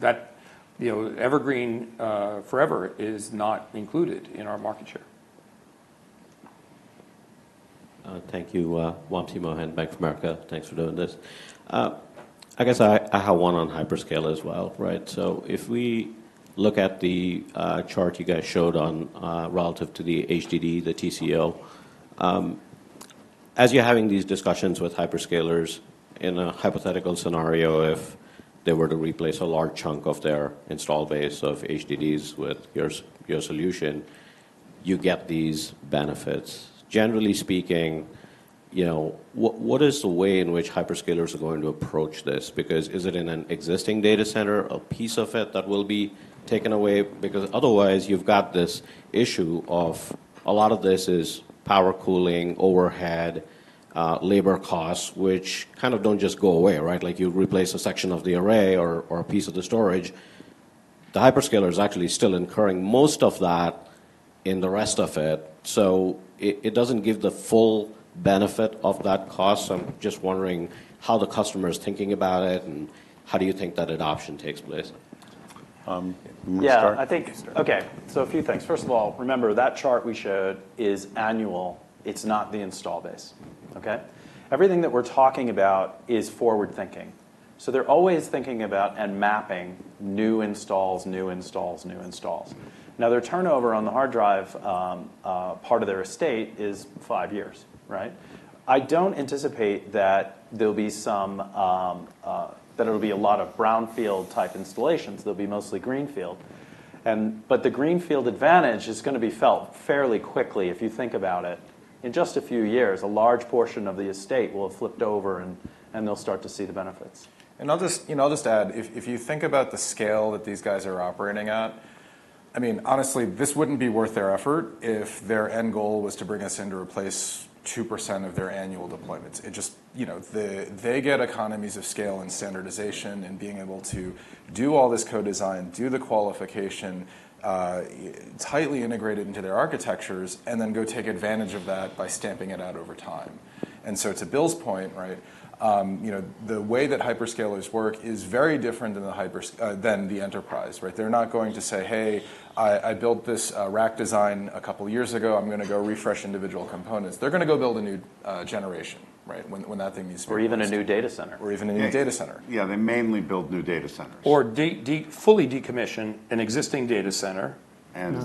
That, you know, Evergreen//Forever is not included in our market share. Thank you, Wamsi Mohan, Bank of America. Thanks for doing this. I guess I have one on hyperscale as well, right? So if we look at the chart you guys showed on relative to the HDD, the TCO, as you're having these discussions with hyperscalers, in a hypothetical scenario, if they were to replace a large chunk of their install base of HDDs with your solution, you get these benefits. Generally speaking, you know, what is the way in which hyperscalers are going to approach this? Because is it in an existing data center, a piece of it that will be taken away? Because otherwise, you've got this issue of a lot of this is power cooling, overhead, labor costs, which kind of don't just go away, right? Like, you replace a section of the array or a piece of the storage. The hyperscaler is actually still incurring most of that in the rest of it, so it doesn't give the full benefit of that cost. So I'm just wondering how the customer is thinking about it, and how do you think that adoption takes place? You want me to start? Yeah, I think- Start. Okay, so a few things. First of all, remember, that chart we showed is annual. It's not the install base, okay? Everything that we're talking about is forward thinking. So they're always thinking about and mapping new installs, new installs, new installs. Now, their turnover on the hard drive part of their estate is five years, right? I don't anticipate that there'll be some that it'll be a lot of brownfield-type installations. They'll be mostly greenfield, and... But the greenfield advantage is gonna be felt fairly quickly if you think about it. In just a few years, a large portion of the estate will have flipped over, and, and they'll start to see the benefits. And I'll just add, if you think about the scale that these guys are operating at, I mean, honestly, this wouldn't be worth their effort if their end goal was to bring us in to replace 2% of their annual deployments. It just, you know, they get economies of scale and standardization and being able to do all this co-design, do the qualification, tightly integrated into their architectures, and then go take advantage of that by stamping it out over time. And so to Bill's point, right, you know, the way that hyperscalers work is very different than the enterprise, right? They're not going to say, "Hey, I built this, rack design a couple of years ago. I'm gonna go refresh individual components." They're gonna go build a new, generation, right? When that thing needs to be replaced. Or even a new data center. Or even a new data center. Yeah, they mainly build new data centers. Or fully decommission an existing data center. And-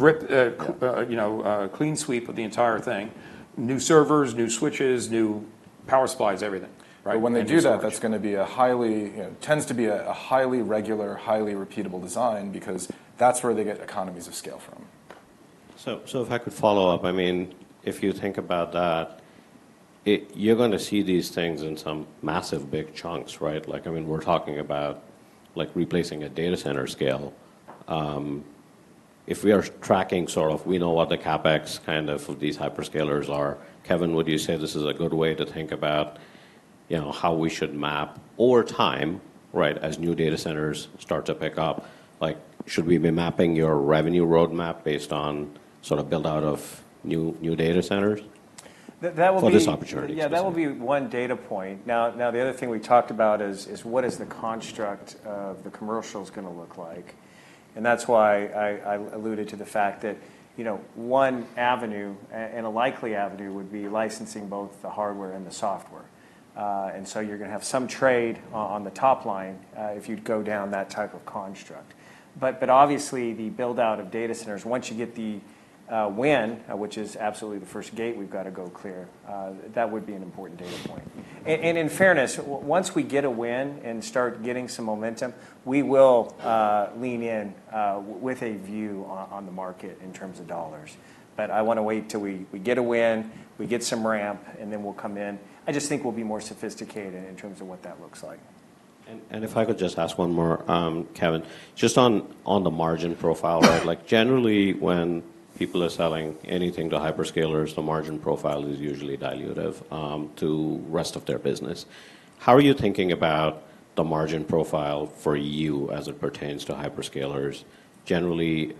You know, a clean sweep of the entire thing. New servers, new switches, new power supplies, everything, right? But when they do that, it's gonna be a highly, you know, tends to be a highly regular, highly repeatable design because that's where they get economies of scale from. So, if I could follow up, I mean, if you think about that, it, you're gonna see these things in some massive, big chunks, right? Like, I mean, we're talking about, like, replacing a data center scale. If we are tracking sort of we know what the CapEx kind of these hyperscalers are, Kevan, would you say this is a good way to think about, you know, how we should map over time, right, as new data centers start to pick up? Like, should we be mapping your revenue roadmap based on sort of build-out of new data centers? That will be- For this opportunity, specifically. Yeah, that will be one data point. Now, the other thing we talked about is what is the construct of the commercials gonna look like? And that's why I alluded to the fact that, you know, one avenue, and a likely avenue, would be licensing both the hardware and the software. And so you're gonna have some trade-off on the top line, if you'd go down that type of construct. But obviously, the build-out of data centers, once you get the win, which is absolutely the first gate we've got to go clear, that would be an important data point. And in fairness, once we get a win and start getting some momentum, we will lean in, with a view on the market in terms of dollars. But I wanna wait till we get a win, we get some ramp, and then we'll come in. I just think we'll be more sophisticated in terms of what that looks like.... And if I could just ask one more, Kevan, just on the margin profile, right? Like, generally, when people are selling anything to hyperscalers, the margin profile is usually dilutive to rest of their business. How are you thinking about the margin profile for you as it pertains to hyperscalers? Generally,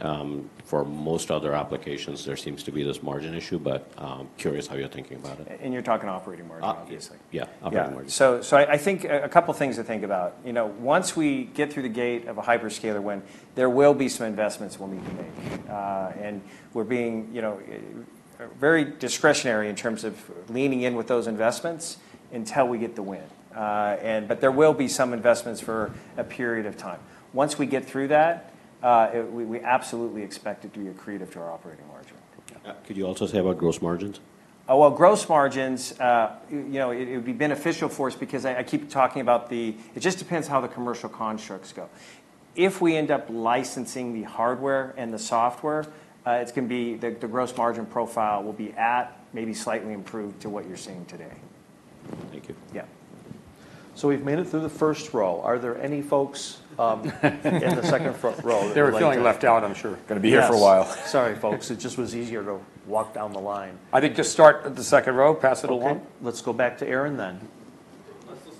for most other applications, there seems to be this margin issue, but curious how you're thinking about it. You're talking operating margin, obviously. Yeah, operating margin. Yeah. So I think a couple things to think about. You know, once we get through the gate of a hyperscaler win, there will be some investments we'll need to make. And we're being, you know, very discretionary in terms of leaning in with those investments until we get the win. But there will be some investments for a period of time. Once we get through that, we absolutely expect it to be accretive to our operating margin. Could you also say about gross margins? Well, gross margins, you know, it would be beneficial for us because I, I keep talking about the... It just depends how the commercial constructs go. If we end up licensing the hardware and the software, it's going to be the, the gross margin profile will be at, maybe slightly improved to what you're seeing today. Thank you. Yeah. So we've made it through the first row. Are there any folks in the second row? They were feeling left out, I'm sure. Gonna be here for a while. Yes. Sorry, folks. It just was easier to walk down the line. I think just start at the second row, pass it along. Okay, let's go back to Aaron then. Let's do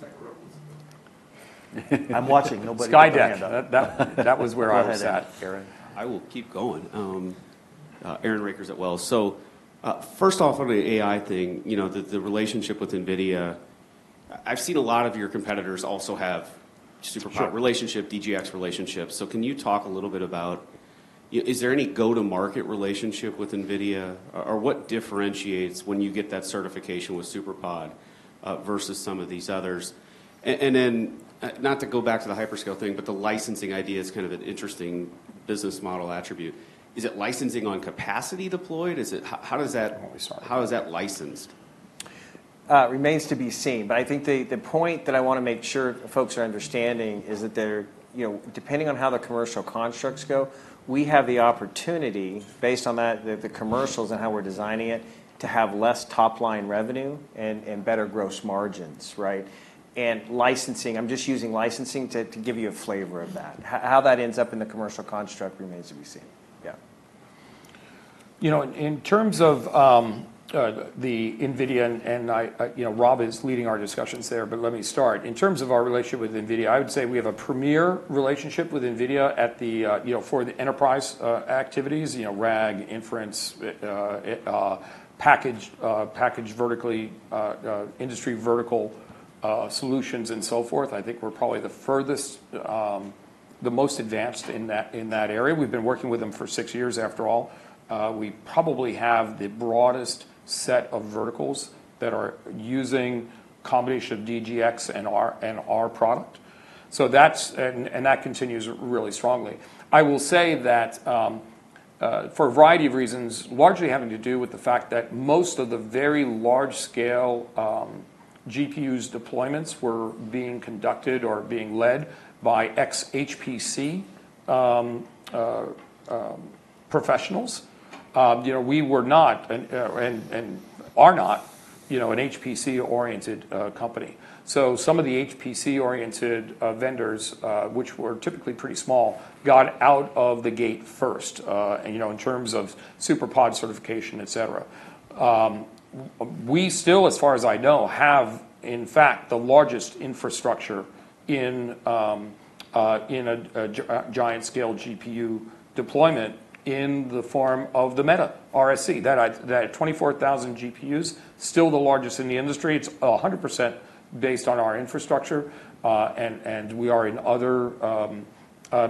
second row. I'm watching nobody- Skydeck. That was where I was sat, Aaron. I will keep going. Aaron Rakers at Wells. So, first off on the AI thing, you know, the relationship with NVIDIA, I've seen a lot of your competitors also have SuperPOD- Sure... relationship, DGX relationships. So can you talk a little bit about, is there any go-to-market relationship with NVIDIA, or what differentiates when you get that certification with SuperPOD, versus some of these others? And then, not to go back to the hyperscale thing, but the licensing idea is kind of an interesting business model attribute. Is it licensing on capacity deployed? Is it... How does that- Let me start. How is that licensed? Remains to be seen, but I think the point that I want to make sure folks are understanding is that there, you know, depending on how the commercial constructs go, we have the opportunity, based on that, the commercials and how we're designing it, to have less top-line revenue and better gross margins, right? And licensing, I'm just using licensing to give you a flavor of that. How that ends up in the commercial construct remains to be seen. Yeah. You know, in terms of the NVIDIA, and I, you know, Rob is leading our discussions there, but let me start. In terms of our relationship with NVIDIA, I would say we have a premier relationship with NVIDIA at the, you know, for the enterprise activities, you know, RAG, inference, package, package vertically, industry vertical solutions, and so forth. I think we're probably the furthest, the most advanced in that, in that area. We've been working with them for six years, after all. We probably have the broadest set of verticals that are using a combination of DGX and our, and our product. So that's, and, and that continues really strongly. I will say that, for a variety of reasons, largely having to do with the fact that most of the very large-scale GPUs deployments were being conducted or being led by ex-HPC professionals. You know, we were not, and, and, and are not, you know, an HPC-oriented company. So some of the HPC-oriented vendors, which were typically pretty small, got out of the gate first, and, you know, in terms of SuperPOD certification, etc. We still, as far as I know, have, in fact, the largest infrastructure in a giant-scale GPU deployment in the form of the Meta RSC. That 24,000 GPUs, still the largest in the industry. It's 100% based on our infrastructure, and we are in other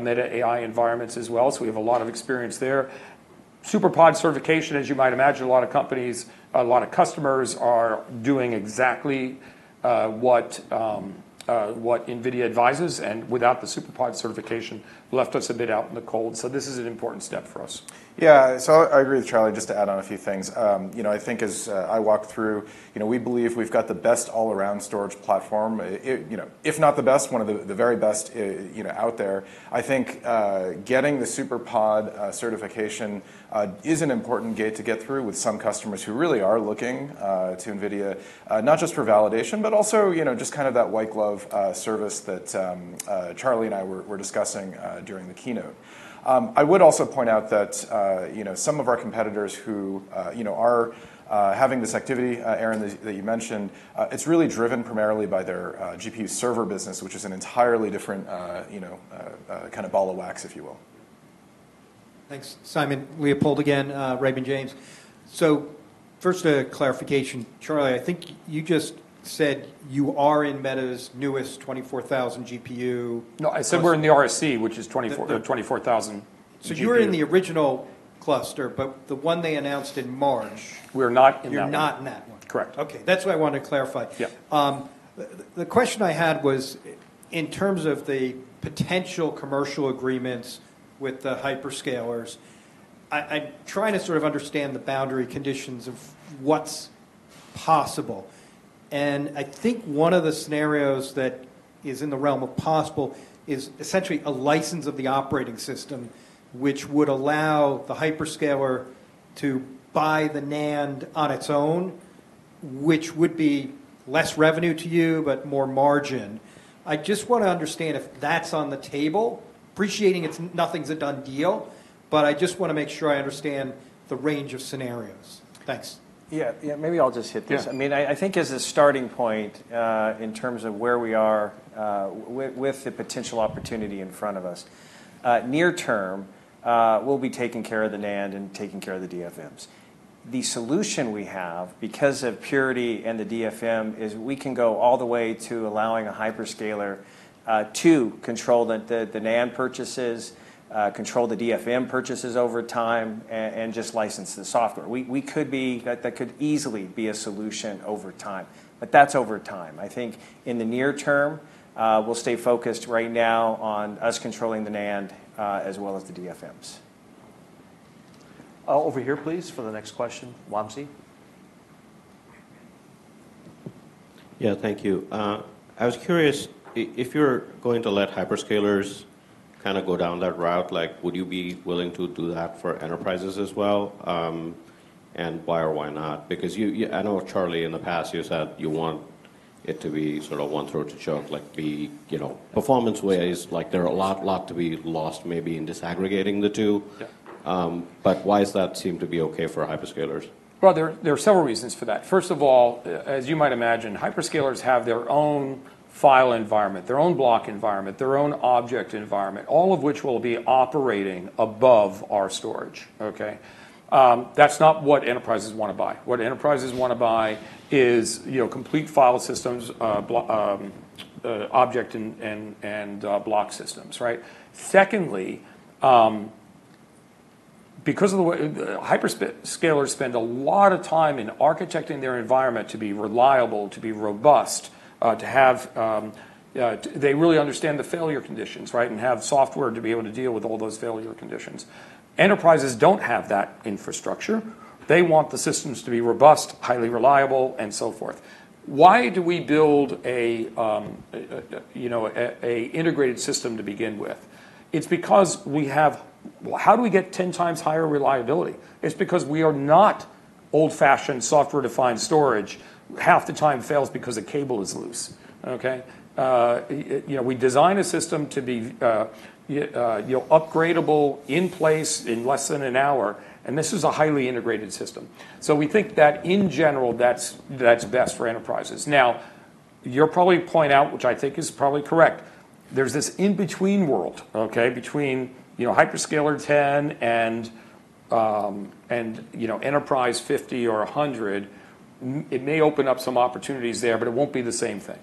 Meta AI environments as well, so we have a lot of experience there. SuperPOD certification, as you might imagine, a lot of companies, a lot of customers are doing exactly what NVIDIA advises, and without the SuperPOD certification left us a bit out in the cold. So this is an important step for us. Yeah, so I agree with Charlie, just to add on a few things. You know, I think as I walk through, you know, we believe we've got the best all-around storage platform. It, you know, if not the best, one of the very best, you know, out there. I think getting the SuperPOD certification is an important gate to get through with some customers who really are looking to NVIDIA, not just for validation, but also, you know, just kind of that white glove service that Charlie and I were discussing during the keynote. I would also point out that, you know, some of our competitors who, you know, are having this activity, Aaron, that you mentioned, it's really driven primarily by their GPU server business, which is an entirely different, you know, kind of ball of wax, if you will. Thanks. Simon Leopold again, Raymond James. First, a clarification. Charlie, I think you just said you are in Meta's newest 24,000 GPU- No, I said we're in the RSC, which is 24-... the 24,000 GPU. So you were in the original cluster, but the one they announced in March- We're not in that one. You're not in that one. Correct. Okay, that's what I wanted to clarify. Yeah. The question I had was, in terms of the potential commercial agreements with the hyperscalers, I'm trying to sort of understand the boundary conditions of what's possible. I think one of the scenarios that is in the realm of possible is essentially a license of the operating system, which would allow the hyperscaler to buy the NAND on its own.... which would be less revenue to you, but more margin. I just want to understand if that's on the table. Appreciating it's nothing's a done deal, but I just want to make sure I understand the range of scenarios. Thanks. Yeah, yeah, maybe I'll just hit this. Yeah. I mean, I think as a starting point, in terms of where we are, with the potential opportunity in front of us, near term, we'll be taking care of the NAND and taking care of the DFMs. The solution we have, because of Purity and the DFM, is we can go all the way to allowing a hyperscaler to control the NAND purchases, control the DFM purchases over time, and just license the software. We could be—that could easily be a solution over time, but that's over time. I think in the near term, we'll stay focused right now on us controlling the NAND, as well as the DFMs. Over here, please, for the next question. Wamsi? Yeah, thank you. I was curious, if you're going to let hyperscalers kind of go down that route, like, would you be willing to do that for enterprises as well? And why or why not? Because you, I know, Charlie, in the past, you said you want it to be sort of one throat to choke, like the, you know, performance ways, like there are a lot, lot to be lost maybe in disaggregating the two. Yeah. But why is that seem to be okay for hyperscalers? Well, there are several reasons for that. First of all, as you might imagine, hyperscalers have their own file environment, their own block environment, their own object environment, all of which will be operating above our storage, okay? That's not what enterprises want to buy. What enterprises want to buy is, you know, complete file systems, object, and block systems, right? Secondly, because of the way... hyperscalers spend a lot of time in architecting their environment to be reliable, to be robust, to have, they really understand the failure conditions, right, and have software to be able to deal with all those failure conditions. Enterprises don't have that infrastructure. They want the systems to be robust, highly reliable, and so forth. Why do we build a you know a integrated system to begin with? It's because we have... how do we get 10 times higher reliability? It's because we are not old-fashioned software-defined storage. Half the time fails because a cable is loose, okay? You know, we design a system to be you know upgradable in place in less than an hour, and this is a highly integrated system. So we think that, in general, that's best for enterprises. Now, you'll probably point out, which I think is probably correct, there's this in-between world, okay? Between you know hyperscaler 10 and and you know enterprise 50 or 100. It may open up some opportunities there, but it won't be the same thing.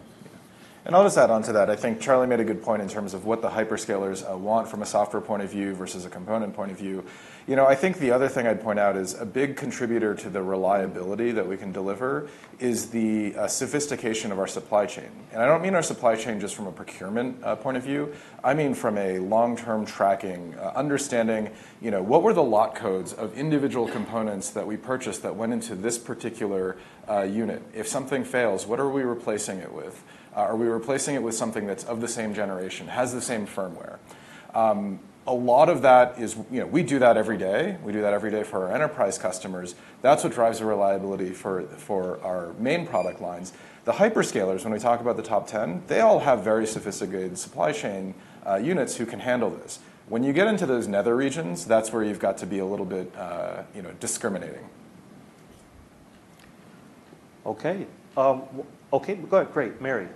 And I'll just add on to that. I think Charlie made a good point in terms of what the hyperscalers want from a software point of view versus a component point of view. You know, I think the other thing I'd point out is a big contributor to the reliability that we can deliver is the sophistication of our supply chain. And I don't mean our supply chain just from a procurement point of view, I mean, from a long-term tracking understanding, you know, what were the lot codes of individual components that we purchased that went into this particular unit? If something fails, what are we replacing it with? Are we replacing it with something that's of the same generation, has the same firmware? A lot of that is, you know, we do that every day. We do that every day for our enterprise customers. That's what drives the reliability for our main product lines. The hyperscalers, when we talk about the top ten, they all have very sophisticated supply chain units who can handle this. When you get into those nether regions, that's where you've got to be a little bit, you know, discriminating. Okay, go ahead. Great, Mary.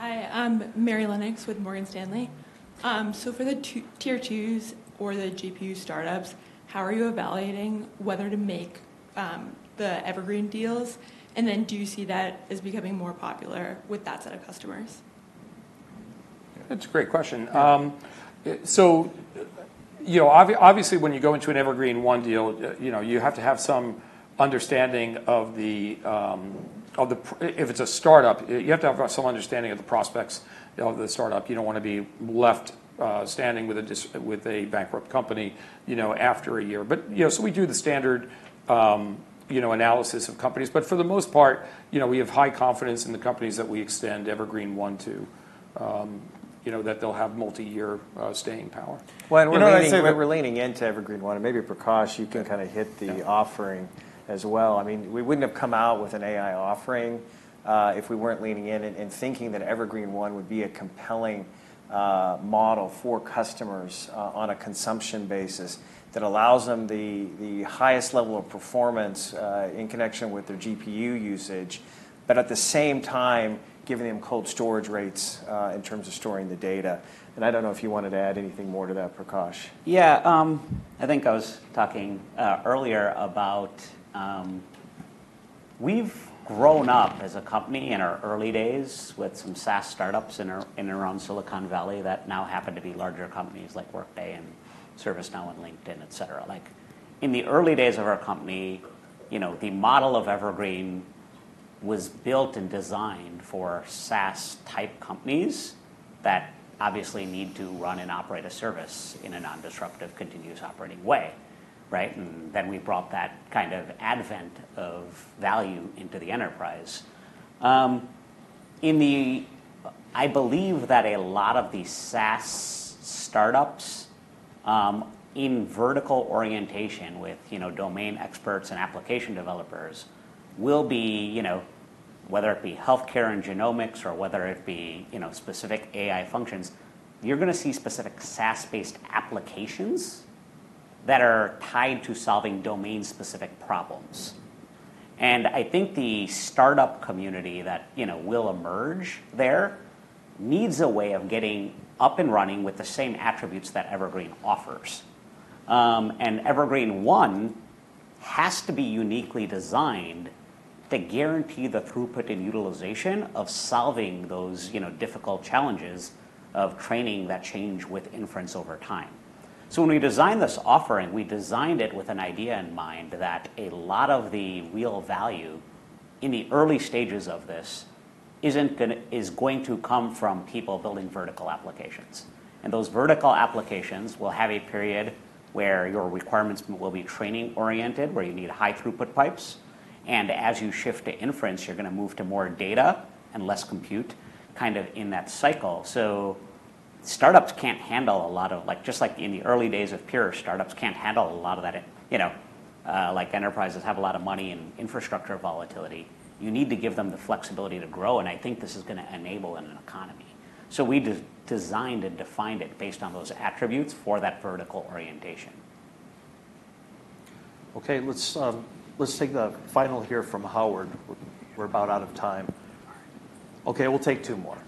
Hi, I'm Mary Lenox with Morgan Stanley. So for the tier twos or the GPU startups, how are you evaluating whether to make the Evergreen deals? And then do you see that as becoming more popular with that set of customers? That's a great question. Yeah. So, you know, obviously, when you go into an Evergreen//One deal, you know, you have to have some understanding of the, of the if it's a startup, you have to have some understanding of the prospects of the startup. You don't want to be left standing with a bankrupt company, you know, after a year. But, you know, so we do the standard, you know, analysis of companies. But for the most part, you know, we have high confidence in the companies that we extend Evergreen//One to, you know, that they'll have multi-year staying power. Well, and we're leaning- You know, I'd say-... we're leaning into Evergreen//One, and maybe, Prakash, you can kinda hit the- Yeah... offering as well. I mean, we wouldn't have come out with an AI offering, if we weren't leaning in and thinking that Evergreen//One would be a compelling model for customers on a consumption basis, that allows them the highest level of performance in connection with their GPU usage, but at the same time, giving them cold storage rates in terms of storing the data. And I don't know if you wanted to add anything more to that, Prakash. We've grown up as a company in our early days with some SaaS startups in and around Silicon Valley that now happen to be larger companies like Workday and ServiceNow, and LinkedIn, et cetera. Like, in the early days of our company, you know, the model of Evergreen was built and designed for SaaS-type companies that obviously need to run and operate a service in a non-disruptive, continuous operating way, right? And then we brought that kind of advent of value into the enterprise. In the, I believe that a lot of these SaaS startups in vertical orientation with, you know, domain experts and application developers will be, you know, whether it be healthcare and genomics or whether it be, you know, specific AI functions, you're going to see specific SaaS-based applications that are tied to solving domain-specific problems. I think the startup community that, you know, will emerge there needs a way of getting up and running with the same attributes that Evergreen offers. Evergreen//One has to be uniquely designed to guarantee the throughput and utilization of solving those, you know, difficult challenges of training that change with inference over time. So when we designed this offering, we designed it with an idea in mind that a lot of the real value in the early stages of this is going to come from people building vertical applications. And those vertical applications will have a period where your requirements will be training-oriented, where you need high-throughput pipes, and as you shift to inference, you're going to move to more data and less compute, kind of in that cycle. So startups can't handle a lot of, like, just like in the early days of Pure, startups can't handle a lot of that, you know, like enterprises have a lot of money and infrastructure volatility. You need to give them the flexibility to grow, and I think this is going to enable an economy. So we de-designed and defined it based on those attributes for that vertical orientation. Okay, let's take the final here from Howard. We're about out of time. Okay, we'll take two more.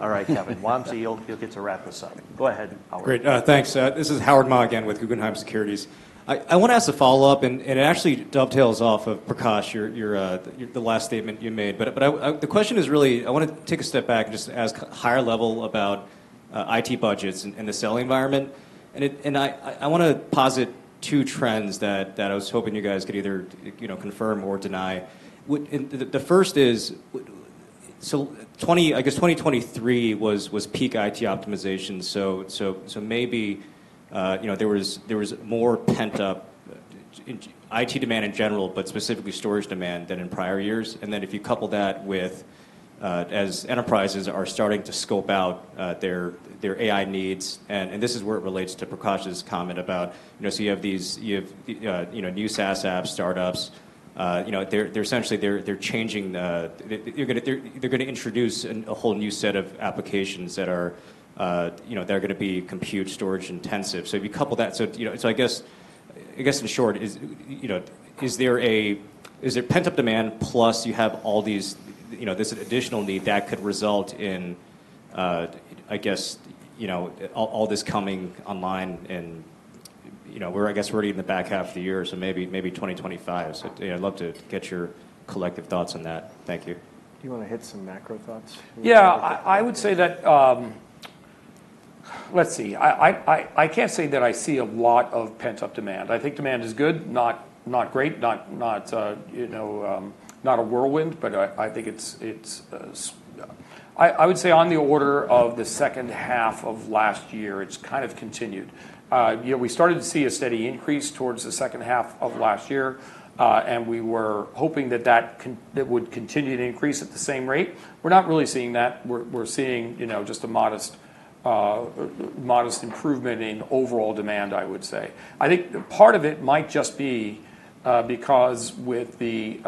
All right, Kevan. Wamsi, you'll get to wrap this up. Go ahead, Howard. Great, thanks. This is Howard Ma again with Guggenheim Securities. I want to ask a follow-up, and it actually dovetails off of Prakash, your the last statement you made. But I... The question is really, I want to take a step back and just ask higher level about IT budgets and the selling environment. And I want to posit two trends that I was hoping you guys could either, you know, confirm or deny. And the first is, so twenty, I guess 2023 was peak IT optimization. So maybe, you know, there was more pent-up IT demand in general, but specifically storage demand than in prior years. And then if you couple that with, as enterprises are starting to scope out their AI needs, and this is where it relates to Prakash's comment about, you know, so you have these—you have, you know, new SaaS apps, startups. You know, they're essentially changing the—they're gonna introduce a whole new set of applications that are, you know, going to be compute storage intensive. So if you couple that, so, you know. So I guess in short, you know, is there pent-up demand plus you have all these, you know, this additional need that could result in, I guess, you know, all this coming online and, you know, we're already in the back half of the year, so maybe 2025. Yeah, I'd love to get your collective thoughts on that. Thank you. Do you want to hit some macro thoughts? Yeah, I would say that, let's see. I can't say that I see a lot of pent-up demand. I think demand is good, not great, you know, not a whirlwind, but I think it's... I would say on the order of the second half of last year, it's kind of continued. You know, we started to see a steady increase towards the second half of last year, and we were hoping that that would continue to increase at the same rate. We're not really seeing that. We're seeing, you know, just a modest improvement in overall demand, I would say. I think part of it might just be, because with the,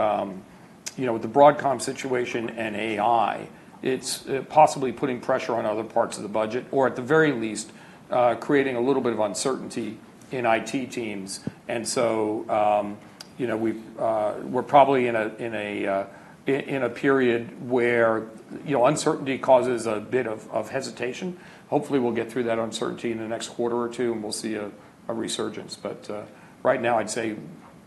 you know, with the Broadcom situation and AI, it's, possibly putting pressure on other parts of the budget, or at the very least, creating a little bit of uncertainty in IT teams. And so, you know, we've, we're probably in a period where, you know, uncertainty causes a bit of hesitation. Hopefully, we'll get through that uncertainty in the next quarter or two, and we'll see a resurgence. But, right now, I'd say,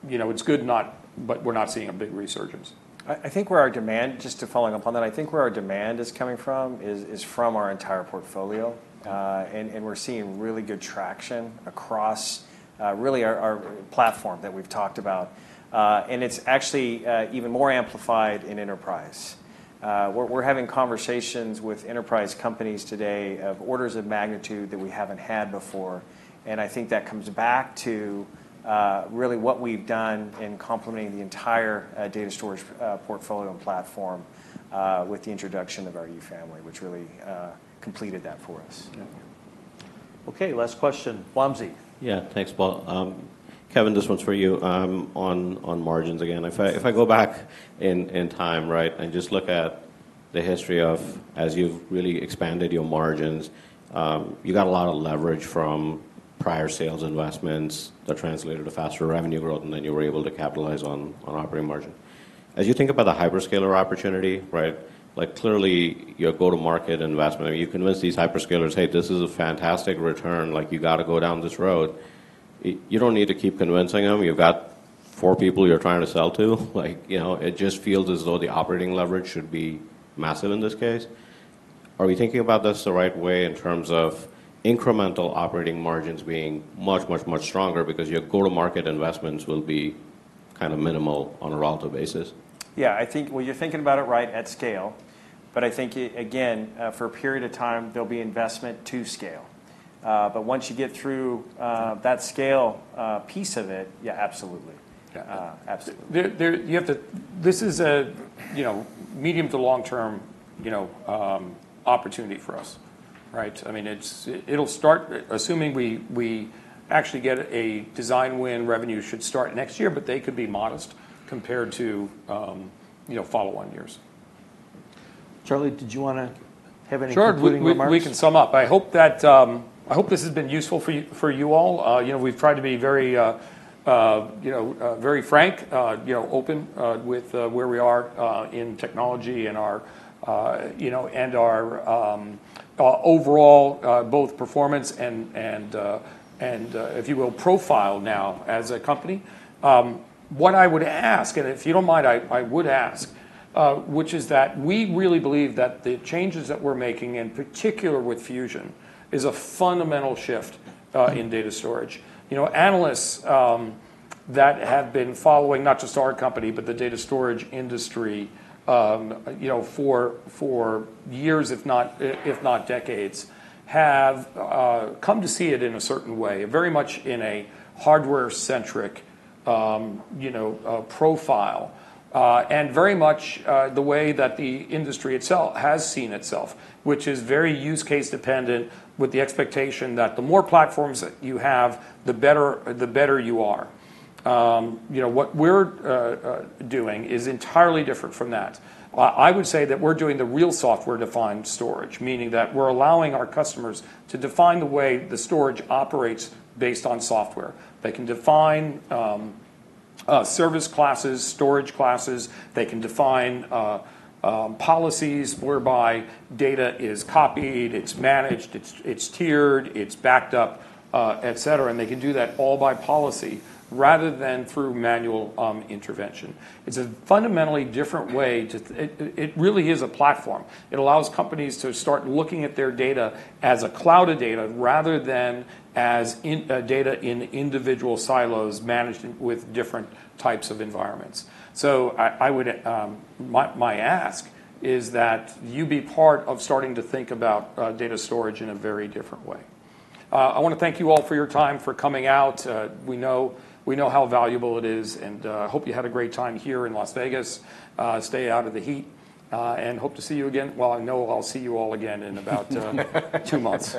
you know, it's good, not-- but we're not seeing a big resurgence. I think where our demand is coming from, just to follow up on that, is from our entire portfolio. And we're seeing really good traction across really our platform that we've talked about. It's actually even more amplified in enterprise. We're having conversations with enterprise companies today of orders of magnitude that we haven't had before, and I think that comes back to really what we've done in complementing the entire data storage portfolio and platform with the introduction of our E-family, which really completed that for us. Okay, last question. Wamsi? Yeah, thanks, Paul. Kevan, this one's for you, on margins again. If I go back in time, right, and just look at the history of as you've really expanded your margins, you got a lot of leverage from prior sales investments that translated to faster revenue growth, and then you were able to capitalize on operating margin. As you think about the hyperscaler opportunity, right, like, clearly, your go-to-market investment, you convince these hyperscalers, "Hey, this is a fantastic return, like, you got to go down this road. " You don't need to keep convincing them. You've got four people you're trying to sell to. Like, you know, it just feels as though the operating leverage should be massive in this case. Are we thinking about this the right way in terms of incremental operating margins being much, much, much stronger because your go-to-market investments will be kind of minimal on a relative basis? Yeah, I think, well, you're thinking about it right at scale. But I think, again, for a period of time, there'll be investment to scale.... But once you get through that scale piece of it, yeah, absolutely. Yeah.Uh, absolutely. This is a, you know, medium to long term, you know, opportunity for us, right? I mean, it's, it'll start, assuming we actually get a design win, revenue should start next year, but they could be modest compared to, you know, follow-on years. Charlie, did you wanna have any concluding remarks? Sure, we can sum up. I hope that, I hope this has been useful for you, for you all. You know, we've tried to be very, you know, very frank, you know, open, with where we are, in technology and our, you know, and our, overall, both performance and, and, if you will, profile now as a company. What I would ask, and if you don't mind, I would ask, which is that we really believe that the changes that we're making, in particular with Fusion, is a fundamental shift, in data storage. You know, analysts, that have been following, not just our company, but the data storage industry, you know, for years if not decades, have come to see it in a certain way, very much in a hardware-centric, you know, profile. And very much the way that the industry itself has seen itself, which is very use case dependent, with the expectation that the more platforms that you have, the better, the better you are. You know, what we're doing is entirely different from that. I would say that we're doing the real software-defined storage, meaning that we're allowing our customers to define the way the storage operates based on software. They can define service classes, storage classes. They can define policies whereby data is copied, it's managed, it's tiered, it's backed up, et cetera. And they can do that all by policy rather than through manual intervention. It's a fundamentally different way to... It really is a platform. It allows companies to start looking at their data as a cloud of data, rather than as data in individual silos managed with different types of environments. So I would. My ask is that you be part of starting to think about data storage in a very different way. I want to thank you all for your time, for coming out. We know how valuable it is, and hope you had a great time here in Las Vegas. Stay out of the heat, and hope to see you again. Well, I know I'll see you all again in about two months.